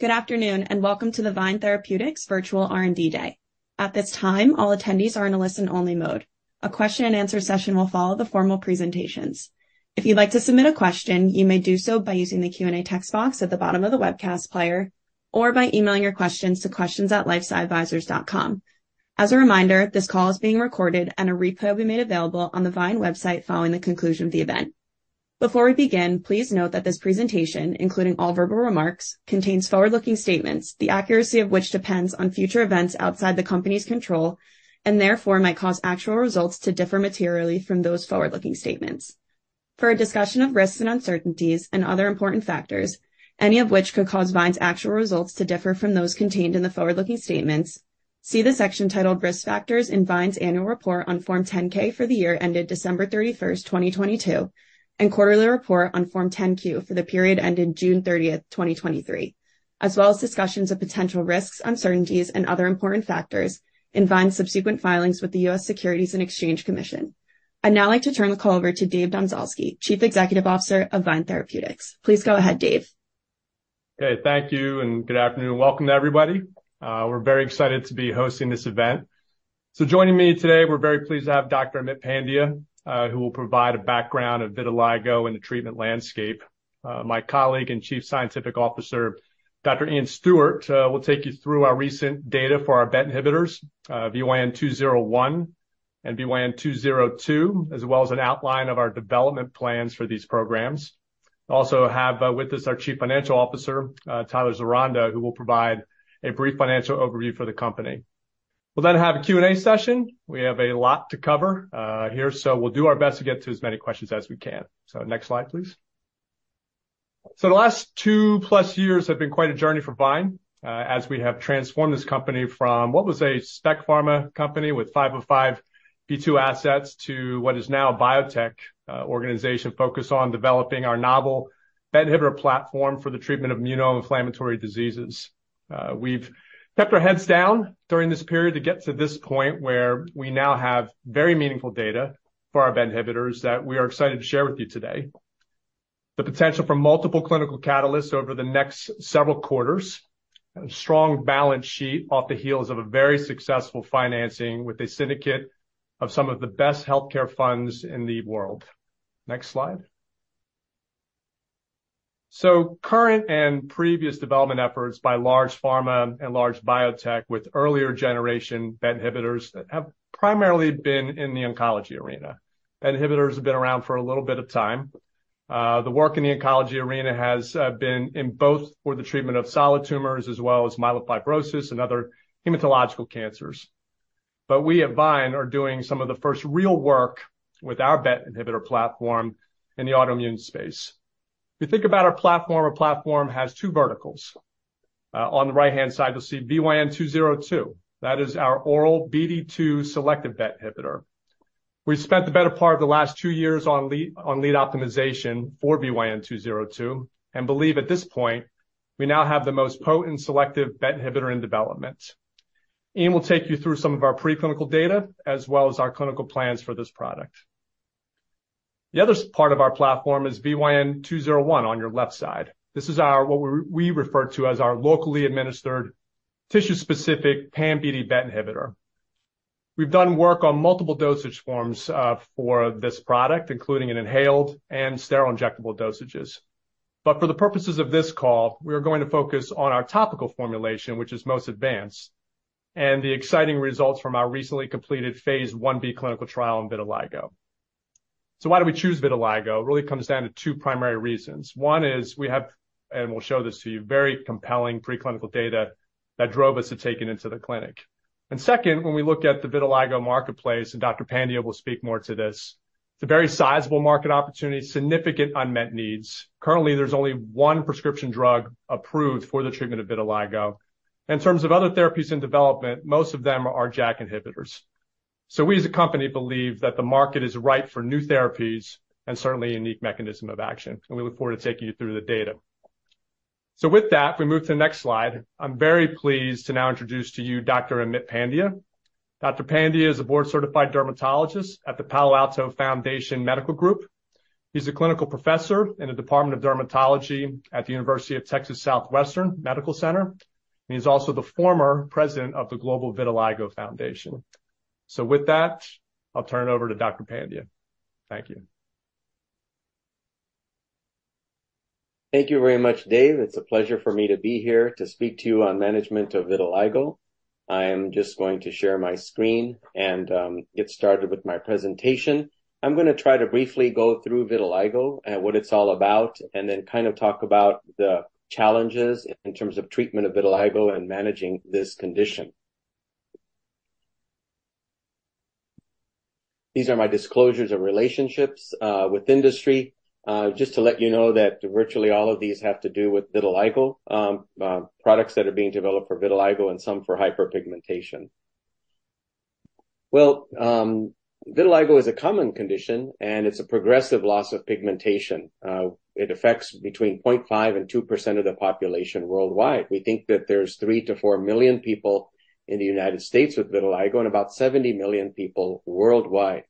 Good afternoon, and welcome to the VYNE Therapeutics Virtual R&D Day. At this time, all attendees are in a listen-only mode. A question-and-answer session will follow the formal presentations. If you'd like to submit a question, you may do so by using the Q&A text box at the bottom of the webcast player or by emailing your questions to questions@lifesciadvisors.com. As a reminder, this call is being recorded, and a replay will be made available on the VYNE website following the conclusion of the event. Before we begin, please note that this presentation, including all verbal remarks, contains forward-looking statements, the accuracy of which depends on future events outside the company's control and therefore might cause actual results to differ materially from those forward-looking statements. For a discussion of risks and uncertainties and other important factors, any of which could cause VYNE's actual results to differ from those contained in the forward-looking statements, see the section titled "Risk Factors" in VYNE's Annual Report on Form 10-K for the year ended December 31st, 2022, and quarterly report on Form 10-Q for the period ended June 30th, 2023, as well as discussions of potential risks, uncertainties, and other important factors in VYNE's subsequent filings with the U.S. Securities and Exchange Commission. I'd now like to turn the call over to Dave Domzalski, Chief Executive Officer of VYNE Therapeutics. Please go ahead, Dave. Okay, thank you, and good afternoon. Welcome to everybody. We're very excited to be hosting this event. Joining me today, we're very pleased to have Dr. Amit Pandya, who will provide a background of vitiligo and the treatment landscape. My colleague and Chief Scientific Officer, Dr. Iain Stuart, will take you through our recent data for our BET inhibitors, VYN201 and VYN202, as well as an outline of our development plans for these programs. Also have with us our Chief Financial Officer, Tyler Zeronda, who will provide a brief financial overview for the company. We'll then have a Q&A session. We have a lot to cover here, so we'll do our best to get to as many questions as we can. So next slide, please. So the last two-plus years have been quite a journey for VYNE, as we have transformed this company from what was a spec pharma company with 505(b)(2) assets to what is now a biotech organization focused on developing our novel BET inhibitor platform for the treatment of immunoinflammatory diseases. We've kept our heads down during this period to get to this point where we now have very meaningful data for our BET inhibitors that we are excited to share with you today. The potential for multiple clinical catalysts over the next several quarters and a strong balance sheet off the heels of a very successful financing with a syndicate of some of the best healthcare funds in the world. Next slide. So current and previous development efforts by large pharma and large biotech with earlier-generation BET inhibitors have primarily been in the oncology arena. BET inhibitors have been around for a little bit of time. The work in the oncology arena has been in both for the treatment of solid tumors as well as myelofibrosis and other hematological cancers. But we at VYNE are doing some of the first real work with our BET inhibitor platform in the autoimmune space. If you think about our platform, our platform has two verticals. On the right-hand side, you'll see VYN202. That is our oral BD2 selective BET inhibitor. We've spent the better part of the last two years on lead optimization for VYN202 and believe at this point we now have the most potent selective BET inhibitor in development. Iain will take you through some of our preclinical data as well as our clinical plans for this product. The other part of our platform is VYN201 on your left side. This is our... what we, we refer to as our locally administered, tissue-specific pan-BD BET inhibitor. We've done work on multiple dosage forms for this product, including in inhaled and sterile injectable dosages. But for the purposes of this call, we are going to focus on our topical formulation, which is most advanced, and the exciting results from our recently completed phase I-B clinical trial in vitiligo. So why did we choose vitiligo? It really comes down to two primary reasons. One is we have, and we'll show this to you, very compelling preclinical data that drove us to take it into the clinic. And second, when we looked at the vitiligo marketplace, and Dr. Pandya will speak more to this, it's a very sizable market opportunity, significant unmet needs. Currently, there's only one prescription drug approved for the treatment of vitiligo. In terms of other therapies in development, most of them are JAK inhibitors. So we, as a company, believe that the market is ripe for new therapies and certainly a unique mechanism of action, and we look forward to taking you through the data. So with that, if we move to the next slide, I'm very pleased to now introduce to you Dr. Amit Pandya. Dr. Pandya is a Board-Certified Dermatologist at the Palo Alto Foundation Medical Group. He's a clinical professor in the Department of Dermatology at the University of Texas Southwestern Medical Center, and he's also the former president of the Global Vitiligo Foundation. So with that, I'll turn it over to Dr. Pandya. Thank you. Thank you very much, Dave. It's a pleasure for me to be here to speak to you on management of vitiligo. I am just going to share my screen and get started with my presentation. I'm going to try to briefly go through vitiligo and what it's all about, and then kind of talk about the challenges in terms of treatment of vitiligo and managing this condition. These are my disclosures of relationships with industry. Just to let you know that virtually all of these have to do with vitiligo products that are being developed for vitiligo and some for hyperpigmentation. Well, vitiligo is a common condition, and it's a progressive loss of pigmentation. It affects between 0.5% and 2% of the population worldwide. We think that there's 3-4 million people in the United States with vitiligo and about 70 million people worldwide.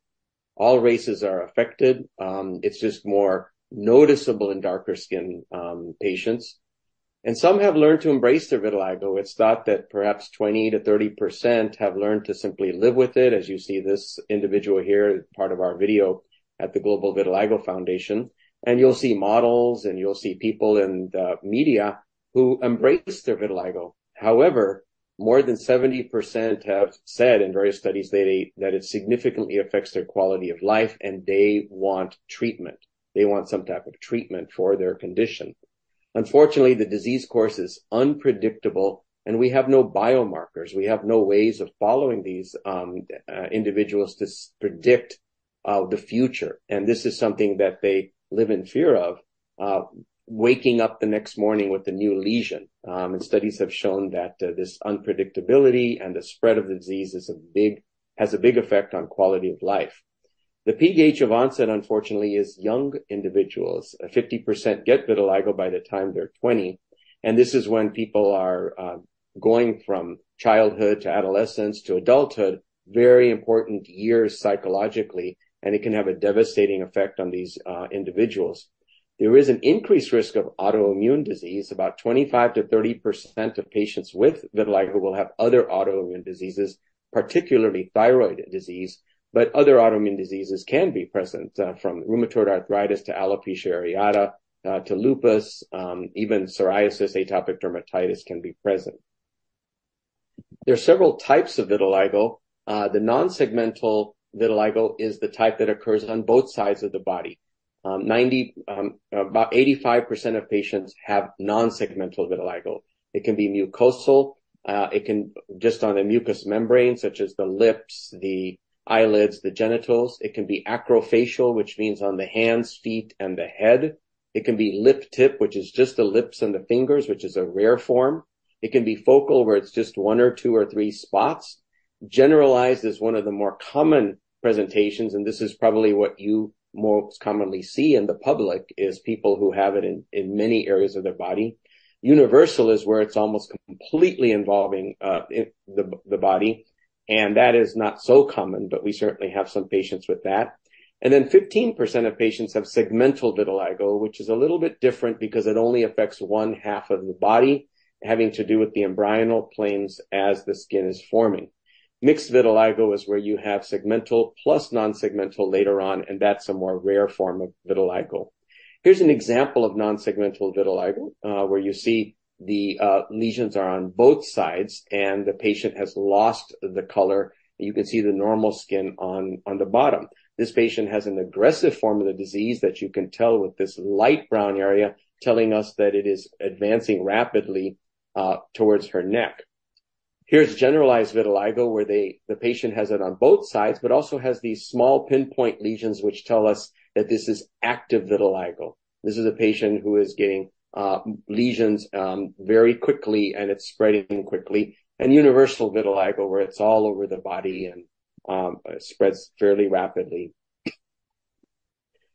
All races are affected. It's just more noticeable in darker-skinned patients, and some have learned to embrace their vitiligo. It's thought that perhaps 20%-30% have learned to simply live with it, as you see this individual here, part of our video at the Global Vitiligo Foundation. And you'll see models, and you'll see people in the media who embrace their vitiligo. However, more than 70% have said in various studies that it, that it significantly affects their quality of life, and they want treatment. They want some type of treatment for their condition. Unfortunately, the disease course is unpredictable, and we have no biomarkers. We have no ways of following these individuals to predict the future, and this is something that they live in fear of waking up the next morning with a new lesion. And studies have shown that this unpredictability and the spread of the disease has a big effect on quality of life. The peak age of onset, unfortunately, is young individuals. 50% get vitiligo by the time they're 20, and this is when people are going from childhood to adolescence to adulthood, very important years psychologically, and it can have a devastating effect on these individuals. There is an increased risk of autoimmune disease. About 25%-30% of patients with vitiligo will have other autoimmune diseases, particularly thyroid disease, but other autoimmune diseases can be present, from rheumatoid arthritis to alopecia areata to lupus, even psoriasis, atopic dermatitis can be present. There are several types of vitiligo. The non-segmental vitiligo is the type that occurs on both sides of the body. 90, about 85% of patients have non-segmental vitiligo. It can be mucosal, it can just on a mucous membrane, such as the lips, the eyelids, the genitals. It can be acrofacial, which means on the hands, feet, and the head. It can be lip tip, which is just the lips and the fingers, which is a rare form. It can be focal, where it's just one or two or three spots. Generalized is one of the more common presentations, and this is probably what you most commonly see in the public, is people who have it in many areas of their body. Universal is where it's almost completely involving, in the body, and that is not so common, but we certainly have some patients with that. Fifteen percent of patients have segmental vitiligo, which is a little bit different because it only affects one half of the body, having to do with the embryonic planes as the skin is forming. Mixed vitiligo is where you have segmental plus non-segmental later on, and that's a more rare form of vitiligo. Here's an example of non-segmental vitiligo, where you see the lesions are on both sides and the patient has lost the color. You can see the normal skin on the bottom. This patient has an aggressive form of the disease that you can tell with this light brown area, telling us that it is advancing rapidly towards her neck. Here's generalized vitiligo, where the patient has it on both sides, but also has these small pinpoint lesions, which tell us that this is active vitiligo. This is a patient who is getting lesions very quickly, and it's spreading quickly. And universal vitiligo, where it's all over the body and spreads fairly rapidly.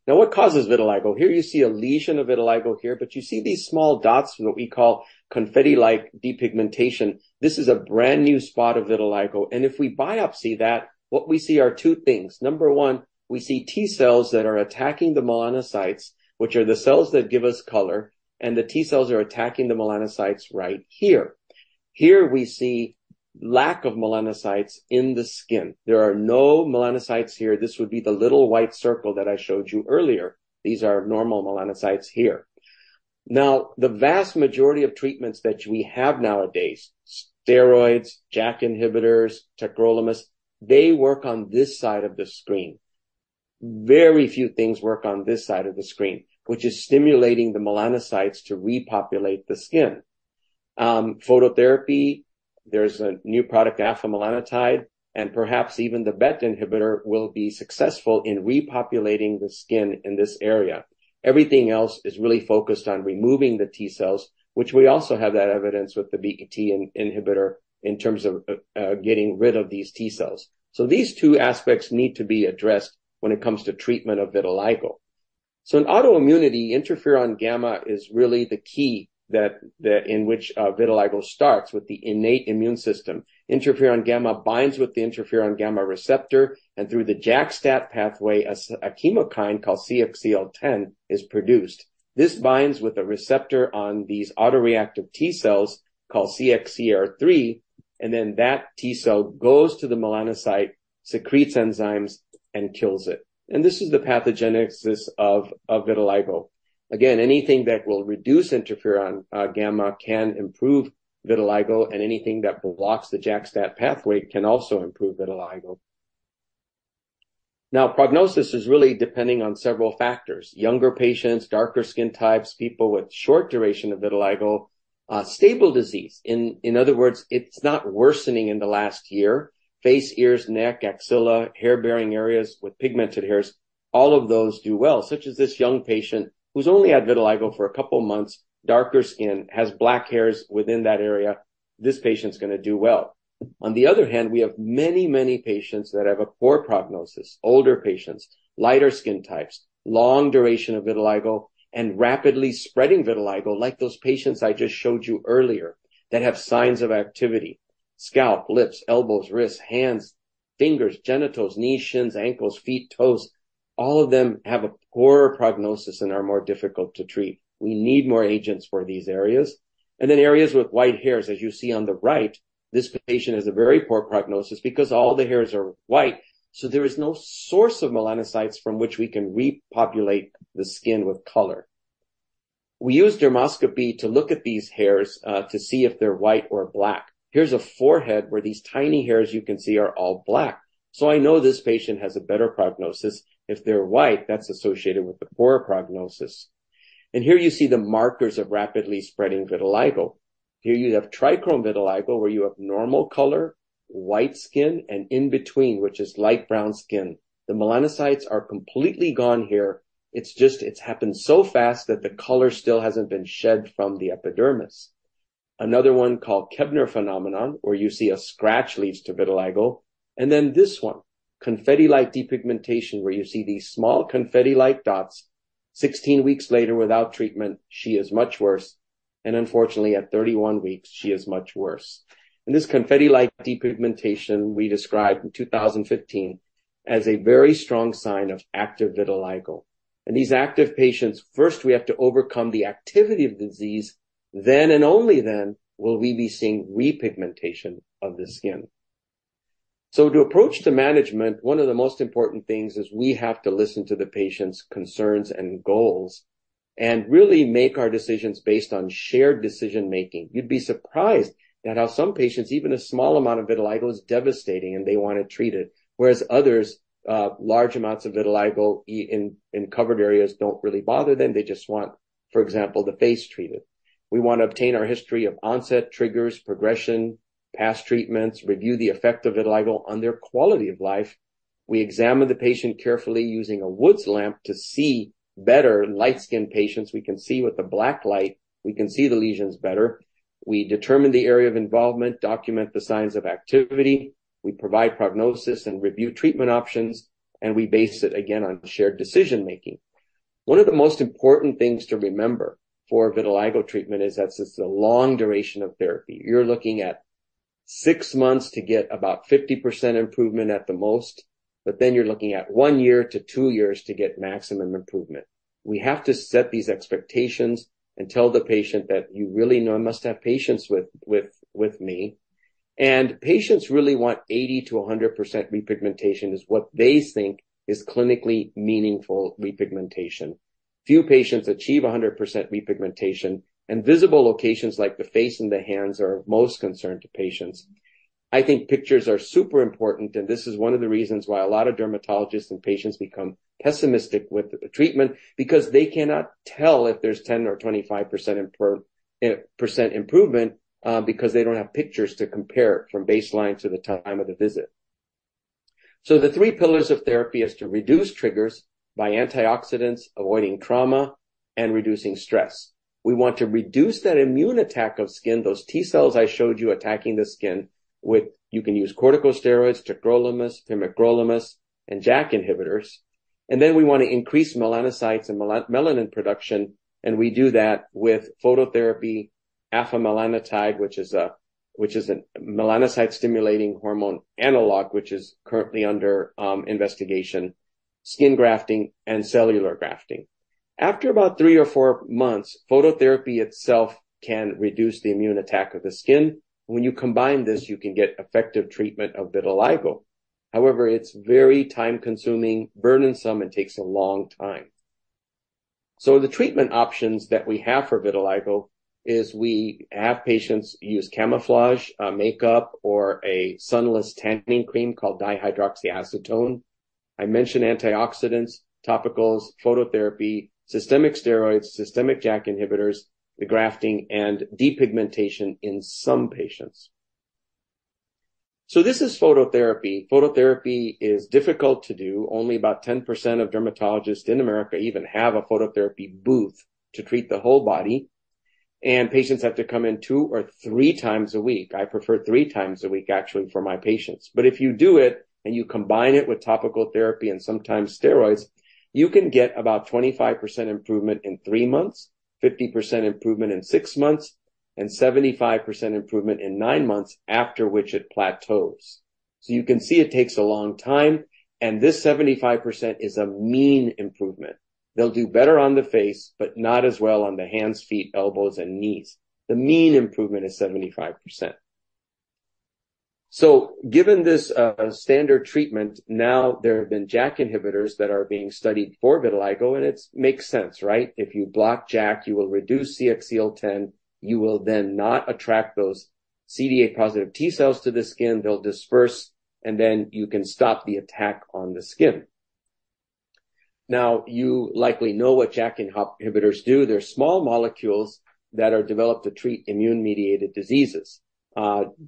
Now, what causes vitiligo? Here you see a lesion of vitiligo here, but you see these small dots in what we call confetti-like depigmentation. This is a brand-new spot of vitiligo, and if we biopsy that, what we see are two things. Number one, we see T cells that are attacking the melanocytes, which are the cells that give us color, and the T cells are attacking the melanocytes right here. Here we see lack of melanocytes in the skin. There are no melanocytes here. This would be the little white circle that I showed you earlier. These are normal melanocytes here. Now, the vast majority of treatments that we have nowadays, steroids, JAK inhibitors, tacrolimus, they work on this side of the screen. Very few things work on this side of the screen, which is stimulating the melanocytes to repopulate the skin. Phototherapy, there's a new product, afamelanotide, and perhaps even the BET inhibitor will be successful in repopulating the skin in this area. Everything else is really focused on removing the T cells, which we also have that evidence with the BET inhibitor in terms of getting rid of these T cells. So these two aspects need to be addressed when it comes to treatment of vitiligo. So in autoimmunity, interferon gamma is really the key in which vitiligo starts with the innate immune system. Interferon gamma binds with the interferon gamma receptor, and through the JAK-STAT pathway, a chemokine called CXCL10 is produced. This binds with a receptor on these autoreactive T cells called CXCR3, and then that T cell goes to the melanocyte, secretes enzymes, and kills it. This is the pathogenesis of vitiligo. Again, anything that will reduce interferon gamma can improve vitiligo, and anything that blocks the JAK-STAT pathway can also improve vitiligo. Now, prognosis is really depending on several factors: younger patients, darker skin types, people with short duration of vitiligo, stable disease. In other words, it's not worsening in the last year. Face, ears, neck, axilla, hair-bearing areas with pigmented hairs, all of those do well, such as this young patient who's only had vitiligo for a couple of months, darker skin, has black hairs within that area. This patient's gonna do well. On the other hand, we have many, many patients that have a poor prognosis: older patients, lighter skin types, long duration of vitiligo, and rapidly spreading vitiligo, like those patients I just showed you earlier that have signs of activity... scalp, lips, elbows, wrists, hands, fingers, genitals, knees, shins, ankles, feet, toes, all of them have a poorer prognosis and are more difficult to treat. We need more agents for these areas. And then areas with white hairs, as you see on the right, this patient has a very poor prognosis because all the hairs are white, so there is no source of melanocytes from which we can repopulate the skin with color. We use dermoscopy to look at these hairs to see if they're white or black. Here's a forehead where these tiny hairs you can see are all black. I know this patient has a better prognosis. If they're white, that's associated with the poorer prognosis. Here you see the markers of rapidly spreading vitiligo. Here you have trichrome vitiligo, where you have normal color, white skin, and in between, which is light brown skin. The melanocytes are completely gone here. It's just, it's happened so fast that the color still hasn't been shed from the epidermis. Another one called Koebner phenomenon, where you see a scratch leads to vitiligo. Then this one, confetti-like depigmentation, where you see these small confetti-like dots. 16 weeks later, without treatment, she is much worse, and unfortunately, at 31 weeks, she is much worse. This confetti-like depigmentation we described in 2015 as a very strong sign of active vitiligo. These active patients, first, we have to overcome the activity of the disease, then and only then, will we be seeing repigmentation of the skin. To approach the management, one of the most important things is we have to listen to the patient's concerns and goals and really make our decisions based on shared decision-making. You'd be surprised that how some patients, even a small amount of vitiligo, is devastating, and they want to treat it, whereas others, large amounts of vitiligo in covered areas don't really bother them. They just want, for example, the face treated. We want to obtain our history of onset, triggers, progression, past treatments, review the effect of vitiligo on their quality of life. We examine the patient carefully using a Woods lamp to see better light-skinned patients. We can see with the black light, we can see the lesions better. We determine the area of involvement, document the signs of activity, we provide prognosis and review treatment options, and we base it, again, on shared decision making. One of the most important things to remember for vitiligo treatment is that it's a long duration of therapy. You're looking at 6 months to get about 50% improvement at the most, but then you're looking at one year to two years to get maximum improvement. We have to set these expectations and tell the patient that you really know, I must have patience with me. And patients really want 80%-100% repigmentation is what they think is clinically meaningful repigmentation. Few patients achieve 100% repigmentation, and visible locations like the face and the hands are of most concern to patients. I think pictures are super important, and this is one of the reasons why a lot of dermatologists and patients become pessimistic with the treatment because they cannot tell if there's 10% or 25% improvement, because they don't have pictures to compare from baseline to the time of the visit. So the three pillars of therapy is to reduce triggers by antioxidants, avoiding trauma, and reducing stress. We want to reduce that immune attack of skin, those T cells I showed you attacking the skin with... You can use corticosteroids, tacrolimus, pimecrolimus, and JAK inhibitors. And then we want to increase melanocytes and melanin production, and we do that with phototherapy, afamelanotide, which is a melanocyte-stimulating hormone analog, which is currently under investigation, skin grafting, and cellular grafting. After about 3 or 4 months, phototherapy itself can reduce the immune attack of the skin. When you combine this, you can get effective treatment of vitiligo. However, it's very time-consuming, burdensome, and takes a long time. So the treatment options that we have for vitiligo is we have patients use camouflage, makeup, or a sunless tanning cream called dihydroxyacetone. I mentioned antioxidants, topicals, phototherapy, systemic steroids, systemic JAK inhibitors, the grafting, and depigmentation in some patients. So this is phototherapy. Phototherapy is difficult to do. Only about 10% of dermatologists in America even have a phototherapy booth to treat the whole body, and patients have to come in two or three times a week. I prefer three times a week, actually, for my patients. But if you do it and you combine it with topical therapy and sometimes steroids, you can get about 25% improvement in 3 months, 50% improvement in 6 months, and 75% improvement in 9 months, after which it plateaus. So you can see it takes a long time, and this 75% is a mean improvement. They'll do better on the face, but not as well on the hands, feet, elbows, and knees. The mean improvement is 75%. So given this, standard treatment, now there have been JAK inhibitors that are being studied for vitiligo, and it makes sense, right? If you block JAK, you will reduce CXCL10, you will then not attract those CD8+ T cells to the skin, they'll disperse, and then you can stop the attack on the skin. Now, you likely know what JAK inhibitors do. They're small molecules that are developed to treat immune-mediated diseases.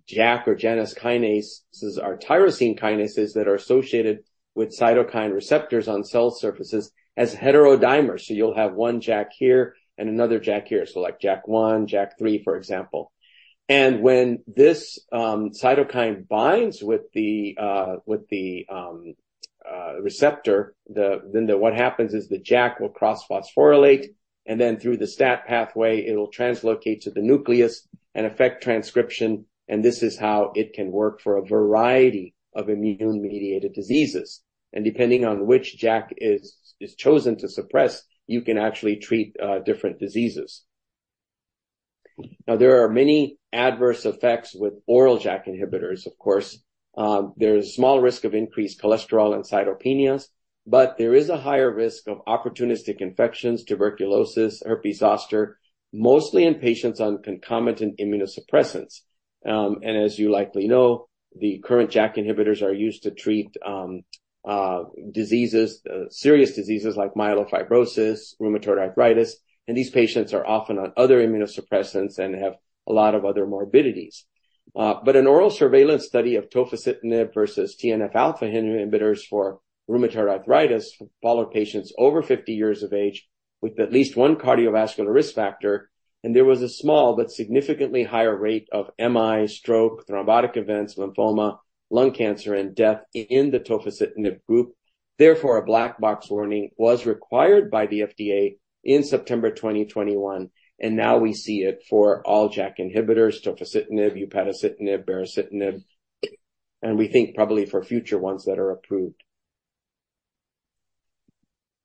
JAK or Janus kinases are tyrosine kinases that are associated with cytokine receptors on cell surfaces as heterodimers. So you'll have one JAK here and another JAK here. So like JAK1, JAK3, for example. And when this cytokine binds with the receptor, then what happens is the JAK will cross-phosphorylate, and then through the STAT pathway, it'll translocate to the nucleus and affect transcription, and this is how it can work for a variety of immune-mediated diseases. And depending on which JAK is chosen to suppress, you can actually treat different diseases. Now, there are many adverse effects with oral JAK inhibitors, of course. There's a small risk of increased cholesterol and cytopenias, but there is a higher risk of opportunistic infections, tuberculosis, herpes zoster, mostly in patients on concomitant immunosuppressants. And as you likely know, the current JAK inhibitors are used to treat diseases, serious diseases like myelofibrosis, rheumatoid arthritis, and these patients are often on other immunosuppressants and have a lot of other morbidities. But an oral surveillance study of tofacitinib versus TNF-alpha inhibitors for rheumatoid arthritis followed patients over 50 years of age with at least one cardiovascular risk factor, and there was a small but significantly higher rate of MI, stroke, thrombotic events, lymphoma, lung cancer, and death in the tofacitinib group. Therefore, a black box warning was required by the FDA in September 2021, and now we see it for all JAK inhibitors, tofacitinib, upadacitinib, baricitinib, and we think probably for future ones that are approved.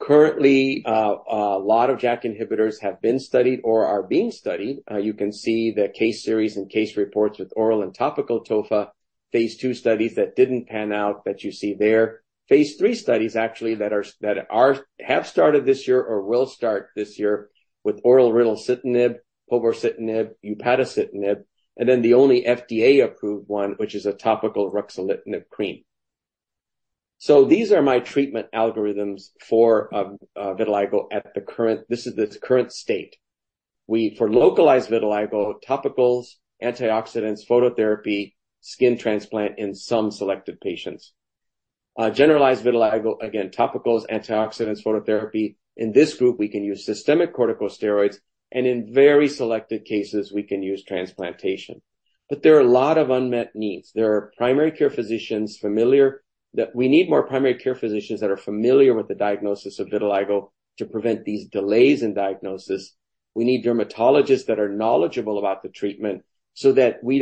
Currently, a lot of JAK inhibitors have been studied or are being studied. You can see the case series and case reports with oral and topical tofa, phase II studies that didn't pan out that you see there. Phase III studies, actually, that have started this year or will start this year with oral ritlecitinib, povorcitinib, upadacitinib, and then the only FDA-approved one, which is a topical ruxolitinib cream. So these are my treatment algorithms for vitiligo at the current... This is its current state. We, for localized vitiligo, topicals, antioxidants, phototherapy, skin transplant in some selected patients. Generalized vitiligo, again, topicals, antioxidants, phototherapy. In this group, we can use systemic corticosteroids, and in very selected cases, we can use transplantation. But there are a lot of unmet needs. That we need more primary care physicians that are familiar with the diagnosis of vitiligo to prevent these delays in diagnosis. We need dermatologists that are knowledgeable about the treatment so that we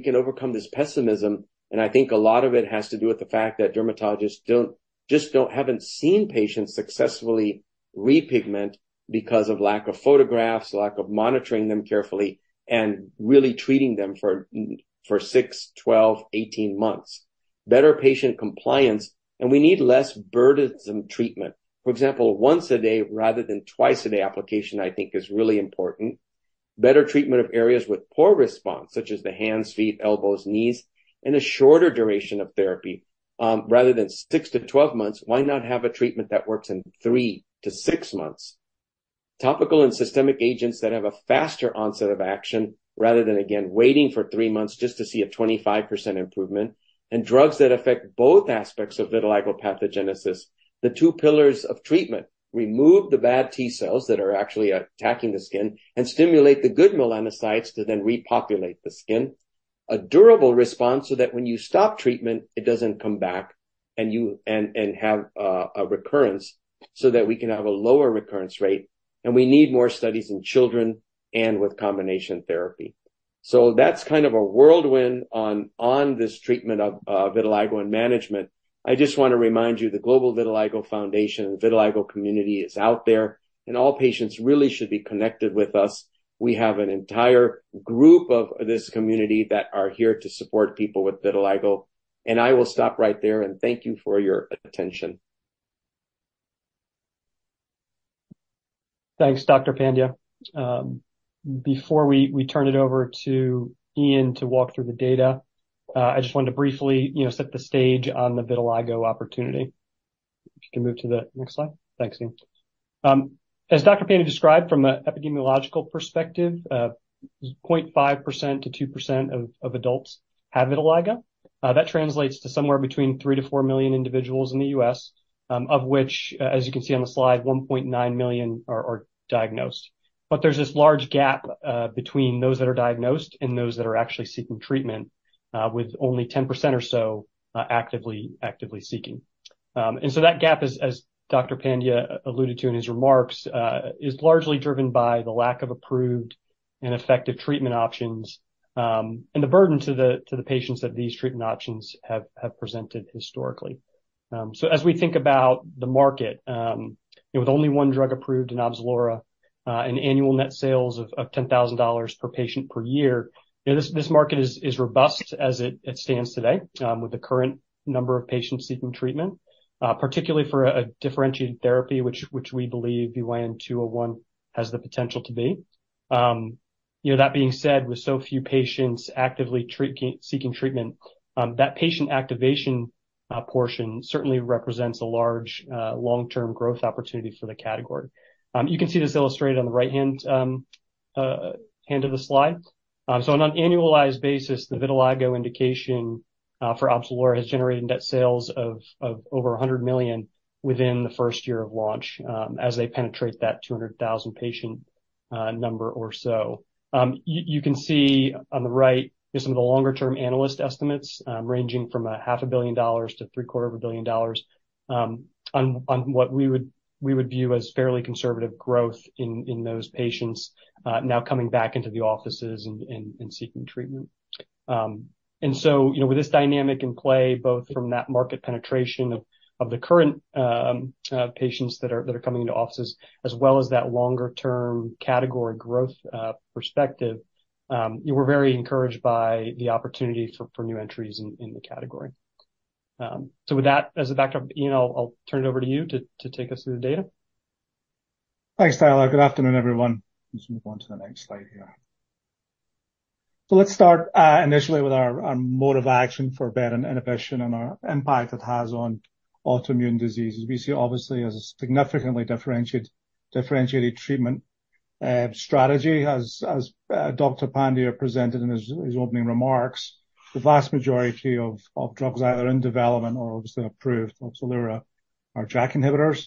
can overcome this pessimism, and I think a lot of it has to do with the fact that dermatologists don't, just don't, haven't seen patients successfully repigment because of lack of photographs, lack of monitoring them carefully, and really treating them for 6, 12, 18 months. Better patient compliance, and we need less burdensome treatment. For example, once a day rather than twice a day application, I think, is really important. Better treatment of areas with poor response, such as the hands, feet, elbows, knees, and a shorter duration of therapy. Rather than 6-12 months, why not have a treatment that works in 3-6 months? Topical and systemic agents that have a faster onset of action rather than, again, waiting for 3 months just to see a 25% improvement. Drugs that affect both aspects of vitiligo pathogenesis, the two pillars of treatment, remove the bad T cells that are actually attacking the skin and stimulate the good melanocytes to then repopulate the skin. A durable response so that when you stop treatment, it doesn't come back and you have a recurrence, so that we can have a lower recurrence rate, and we need more studies in children and with combination therapy. That's kind of a whirlwind on this treatment of vitiligo and management. I just want to remind you, the Global Vitiligo Foundation, the vitiligo community is out there, and all patients really should be connected with us. We have an entire group of this community that are here to support people with vitiligo, and I will stop right there and thank you for your attention. Thanks, Dr. Pandya. Before we turn it over to Iain to walk through the data, I just wanted to briefly, you know, set the stage on the vitiligo opportunity. You can move to the next slide. Thanks, Iain. As Dr. Pandya described from an epidemiological perspective, 0.5%-2% of adults have vitiligo. That translates to somewhere between 3-4 million individuals in the U.S., of which, as you can see on the slide, 1.9 million are diagnosed. But there's this large gap between those that are diagnosed and those that are actually seeking treatment, with only 10% or so actively seeking. And so that gap is, as Dr. Pandya alluded to in his remarks is largely driven by the lack of approved and effective treatment options, and the burden to the patients that these treatment options have presented historically. So as we think about the market, with only one drug approved, Opzelura, and annual net sales of $10,000 per patient per year, this market is robust as it stands today, with the current number of patients seeking treatment, particularly for a differentiated therapy, which we believe VYN201 has the potential to be. You know, that being said, with so few patients actively seeking treatment, that patient activation portion certainly represents a large long-term growth opportunity for the category. You can see this illustrated on the right-hand side of the slide. So on an annualized basis, the vitiligo indication for Opzelura has generated net sales of over $100 million within the first year of launch, as they penetrate that 200,000-patient number or so. You can see on the right, some of the longer-term analyst estimates, ranging from $500 million to $750 million, on what we would view as fairly conservative growth in those patients now coming back into the offices and seeking treatment. And so, you know, with this dynamic in play, both from that market penetration of the current patients that are coming into offices, as well as that longer-term category growth, perspective-... We're very encouraged by the opportunity for new entries in the category. So with that as a backdrop, Iain, I'll turn it over to you to take us through the data. Thanks, Tyler. Good afternoon, everyone. Let's move on to the next slide here. So let's start initially with our mode of action for BET inhibition and our impact it has on autoimmune diseases. We see obviously as a significantly differentiated treatment strategy. As Dr. Pandya presented in his opening remarks, the vast majority of drugs either in development or obviously approved are JAK inhibitors.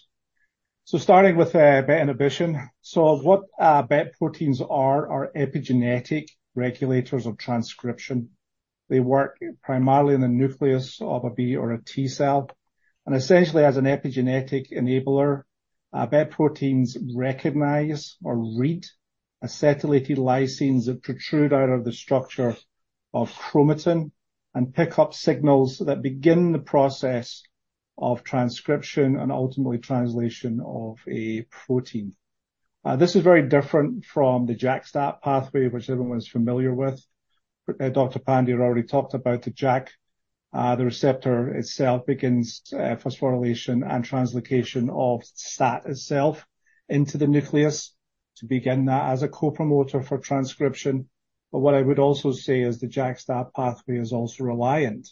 So starting with BET inhibition. So what BET proteins are epigenetic regulators of transcription. They work primarily in the nucleus of a B or a T cell, and essentially as an epigenetic enabler, BET proteins recognize or read acetylated lysines that protrude out of the structure of chromatin and pick up signals that begin the process of transcription and ultimately translation of a protein. This is very different from the JAK-STAT pathway, which everyone's familiar with. Dr. Pandya already talked about the JAK. The receptor itself begins phosphorylation and translocation of STAT itself into the nucleus to begin that as a core promoter for transcription. But what I would also say is the JAK-STAT pathway is also reliant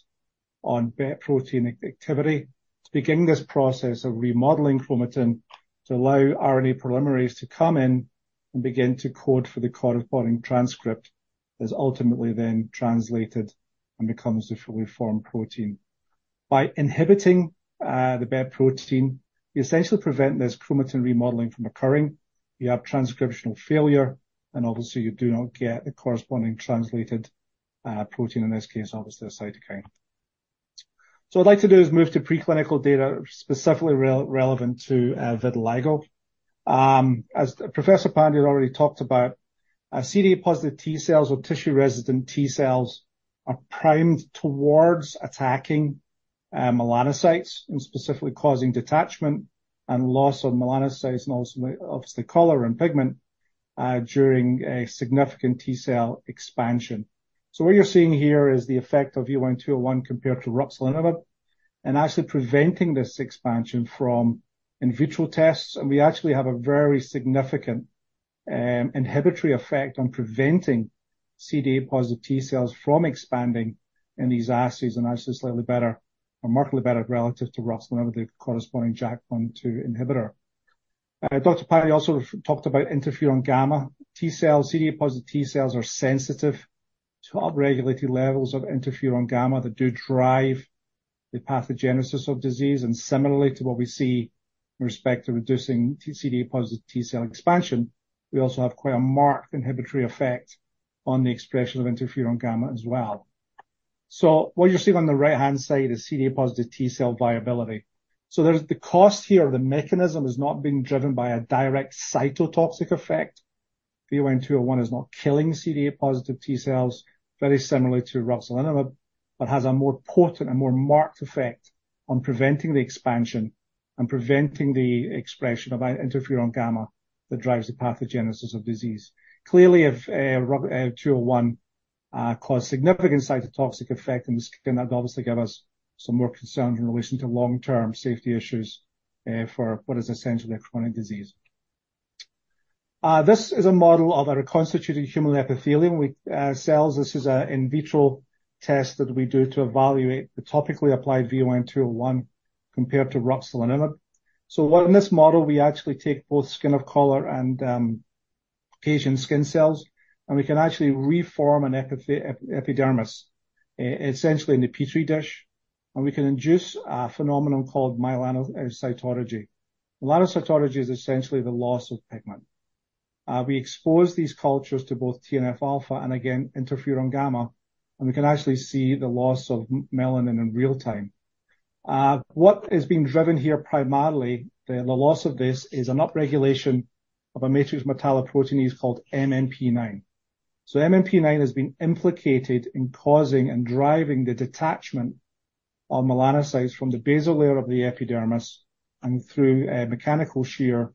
on BET protein activity. To begin this process of remodeling chromatin, to allow RNA polymerase to come in and begin to code for the corresponding transcript, is ultimately then translated and becomes a fully formed protein. By inhibiting the BET protein, you essentially prevent this chromatin remodeling from occurring. You have transcriptional failure, and obviously, you do not get the corresponding translated protein, in this case, obviously a cytokine. So what I'd like to do is move to preclinical data specifically relevant to vitiligo. As Professor Pandya has already talked about, CD8+ T-cells or tissue-resident T-cells are primed towards attacking, melanocytes and specifically causing detachment and loss of melanocytes, and ultimately, obviously, color and pigment, during a significant T-cell expansion. So what you're seeing here is the effect of VYN201 compared to ruxolitinib and actually preventing this expansion from in vitro tests, and we actually have a very significant, inhibitory effect on preventing CD8+ T-cells from expanding in these assays and actually slightly better or markedly better relative to ruxolitinib, the corresponding JAK1/2 inhibitor. Dr. Pandya also talked about interferon gamma T-cells. CD8+ T-cells are sensitive to upregulated levels of interferon gamma that do drive the pathogenesis of disease, and similarly to what we see in respect to reducing CD8+ T-cell expansion, we also have quite a marked inhibitory effect on the expression of interferon gamma as well. So what you're seeing on the right-hand side is CD8+ T-cell viability. So the data here, the mechanism is not being driven by a direct cytotoxic effect. VYN201 is not killing CD8+ T-cells, very similarly to ruxolitinib, but has a more potent and more marked effect on preventing the expansion and preventing the expression of interferon gamma that drives the pathogenesis of disease. Clearly, if, VYN201 caused significant cytotoxic effect in the skin, that'd obviously give us some more concern in relation to long-term safety issues, for what is essentially a chronic disease. This is a model of a reconstituted human epithelium with cells. This is an in vitro test that we do to evaluate the topically applied VYN201 compared to ruxolitinib. So what, in this model, we actually take both skin of color and Caucasian skin cells, and we can actually reform an epidermis essentially in a Petri dish, and we can induce a phenomenon called melanocytolysis. Melanocytolysis is essentially the loss of pigment. We expose these cultures to both TNF-α and again, interferon gamma, and we can actually see the loss of melanin in real time. What is being driven here, primarily, the loss of this is an upregulation of a matrix metalloproteinase called MMP-9. So MMP-9 has been implicated in causing and driving the detachment of melanocytes from the basal layer of the epidermis and through a mechanical shear,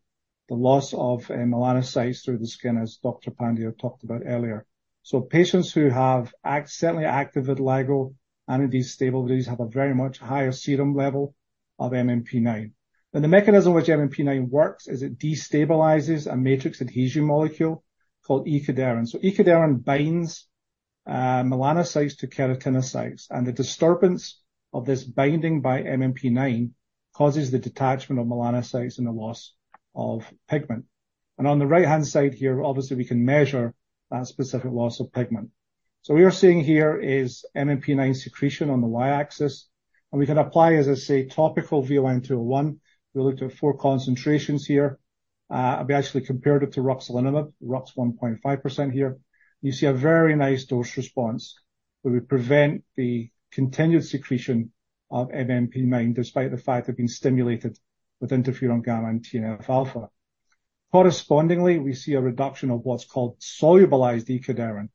the loss of melanocytes through the skin, as Dr. Pandya talked about earlier. So patients who have certainly active vitiligo and in these stable disease, have a very much higher serum level of MMP-9. And the mechanism which MMP-9 works is it destabilizes a matrix adhesion molecule called E-cadherin. So E-cadherin binds melanocytes to keratinocytes, and the disturbance of this binding by MMP-9 causes the detachment of melanocytes and the loss of pigment. And on the right-hand side here, obviously, we can measure that specific loss of pigment. So we are seeing here is MMP-9 secretion on the Y-axis, and we can apply, as I say, topical VYN201. We looked at 4 concentrations here. We actually compared it to ruxolitinib, RUX 1.5% here. You see a very nice dose response, where we prevent the continued secretion of MMP-9, despite the fact they've been stimulated with interferon gamma and TNF-α. Correspondingly, we see a reduction of what's called solubilized E-cadherin.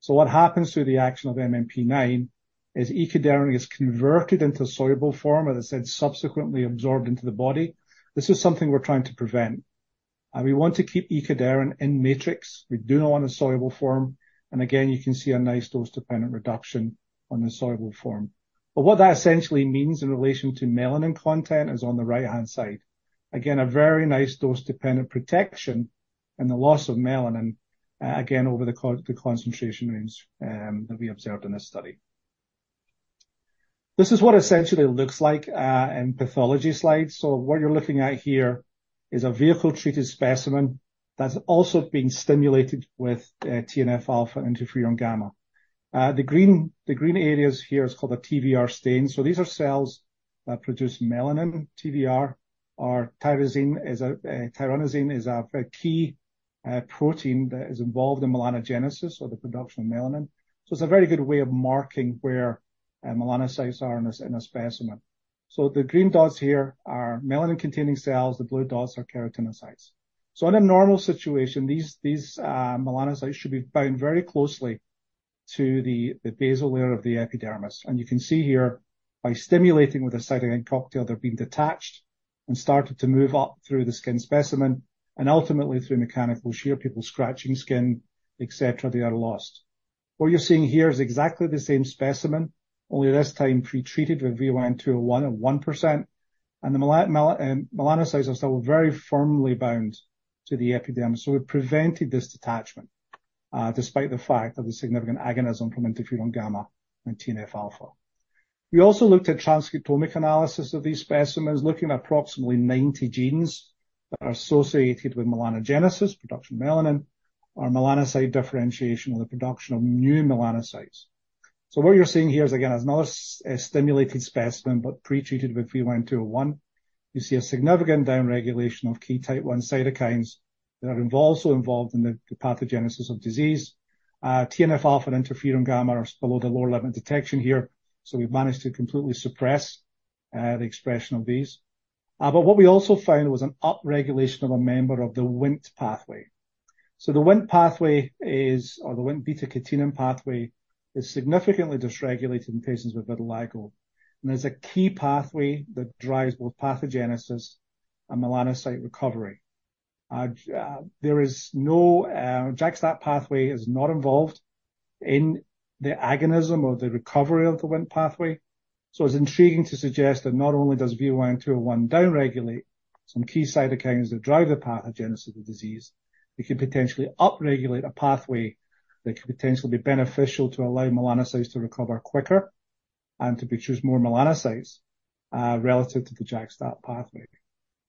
So what happens through the action of MMP-9 as E-cadherin is converted into a soluble form, and as I said, subsequently absorbed into the body. This is something we're trying to prevent, and we want to keep E-cadherin in matrix. We do not want a soluble form, and again, you can see a nice dose-dependent reduction on the soluble form. What that essentially means in relation to melanin content is on the right-hand side. Again, a very nice dose-dependent protection and the loss of melanin, again, over the concentration range that we observed in this study. This is what essentially looks like in pathology slides. So what you're looking at here is a vehicle-treated specimen that's also been stimulated with TNF-α interferon gamma. The green, the green areas here is called a TYR stain. So these are cells that produce melanin. TYR or tyrosinase is a key protein that is involved in melanogenesis or the production of melanin. So it's a very good way of marking where melanocytes are in a specimen. So the green dots here are melanin-containing cells. The blue dots are keratinocytes. So in a normal situation, these, these, melanocytes should be bound very closely to the basal layer of the epidermis. You can see here, by stimulating with a cytokine cocktail, they're being detached and started to move up through the skin specimen and ultimately through mechanical shear, people scratching skin, et cetera, they are lost. What you're seeing here is exactly the same specimen, only this time pretreated with VYN201 at 1%, and the melanocytes are still very firmly bound to the epidermis. So it prevented this detachment despite the fact that the significant agonism from interferon gamma and TNF-α. We also looked at transcriptomic analysis of these specimens, looking at approximately 90 genes that are associated with melanogenesis, production of melanin, or melanocyte differentiation or the production of new melanocytes. So what you're seeing here is, again, another stimulated specimen, but pretreated with VYN201. You see a significant downregulation of key type one cytokines that are involved, also involved in the pathogenesis of disease. TNF-α and interferon gamma are below the lower limit detection here, so we've managed to completely suppress the expression of these. But what we also found was an upregulation of a member of the WNT pathway. So the WNT pathway is, or the Wnt/β-catenin pathway, is significantly dysregulated in patients with vitiligo, and is a key pathway that drives both pathogenesis and melanocyte recovery. There is no JAK-STAT pathway is not involved in the agonism or the recovery of the WNT pathway. So it's intriguing to suggest that not only does VYN201 downregulate some key cytokines that drive the pathogenesis of the disease, it could potentially upregulate a pathway that could potentially be beneficial to allow melanocytes to recover quicker and to produce more melanocytes, relative to the JAK-STAT pathway.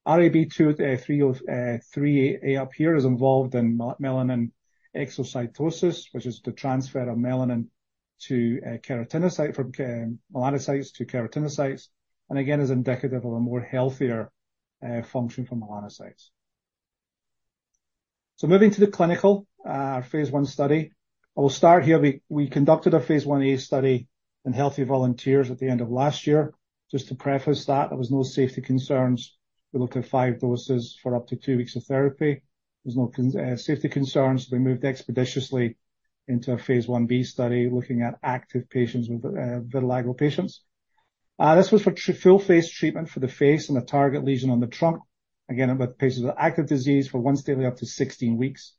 RAB23 up here is involved in melanin exocytosis, which is the transfer of melanin to keratinocyte from melanocytes to keratinocytes, and again, is indicative of a more healthier function for melanocytes. So moving to the clinical phase I study. I will start here. We conducted a phase I-A study in healthy volunteers at the end of last year. Just to preface that, there was no safety concerns. We looked at five doses for up to two weeks of therapy. There was no safety concerns, so we moved expeditiously into a phase I-B study, looking at active patients with vitiligo patients. This was for full face treatment for the face and a target lesion on the trunk. Again, with patients with active disease for once daily, up to 16 weeks.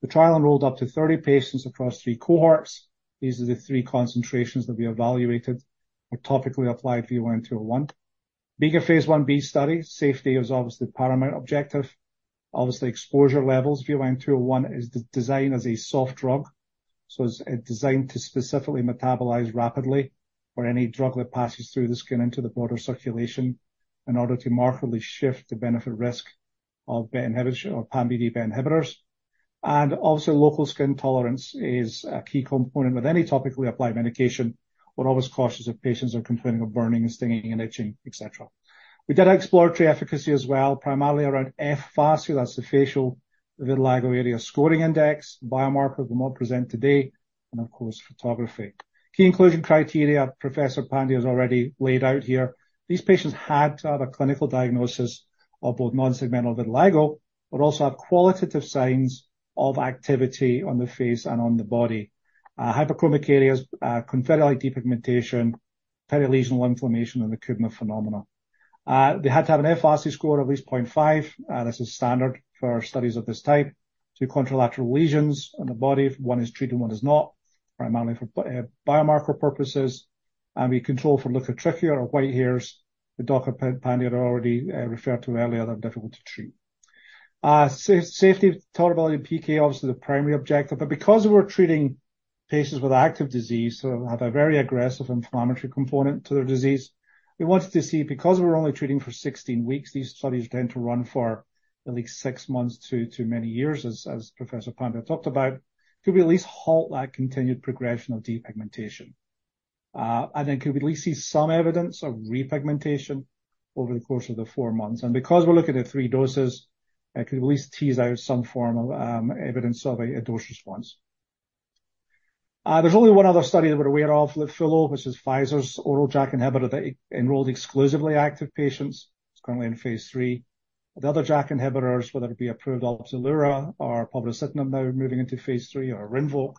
The trial enrolled up to 30 patients across three cohorts. These are the three concentrations that we evaluated for topically applied VYN201. Being a phase I-B study, safety is obviously the paramount objective. Obviously, exposure levels, VYN201, is designed as a soft drug, so it's designed to specifically metabolize rapidly or any drug that passes through the skin into the broader circulation in order to markedly shift the benefit-risk of BET inhibitors or pan-BD BET inhibitors. Also, local skin tolerance is a key component with any topically applied medication. We're always cautious if patients are complaining of burning and stinging and itching, et cetera. We did exploratory efficacy as well, primarily around F-VASI. That's the Facial Vitiligo Area Scoring Index, biomarker we will not present today, and of course, photography. Key inclusion criteria, Professor Pandya has already laid out here. These patients had to have a clinical diagnosis of both non-segmental vitiligo but also have qualitative signs of activity on the face and on the body. Hyperchromic areas, confetti-like depigmentation, perilesional inflammation, and the Koebner phenomenon. They had to have an F-VASI score of at least 0.5. This is standard for studies of this type. Two contralateral lesions on the body, one is treated, one is not, primarily for biomarker purposes. We control for leukotrichia or white hairs, that Doctor Pandya had already referred to earlier. They're difficult to treat. Safety, tolerability, and PK, obviously, the primary objective, but because we're treating patients with active disease, so have a very aggressive inflammatory component to their disease, we wanted to see, because we're only treating for 16 weeks, these studies tend to run for at least six months to many years, as Professor Pandya talked about, could we at least halt that continued progression of depigmentation? And then could we at least see some evidence of repigmentation over the course of the four months? Because we're looking at three doses, could we at least tease out some form of evidence of a dose response? There's only one other study that we're aware of with Litfulo, which is Pfizer's oral JAK inhibitor, that enrolled exclusively active patients. It's currently in phase III. The other JAK inhibitors, whether it be approved Opzelura or povorcitinib, now moving into phase III or RINVOQ,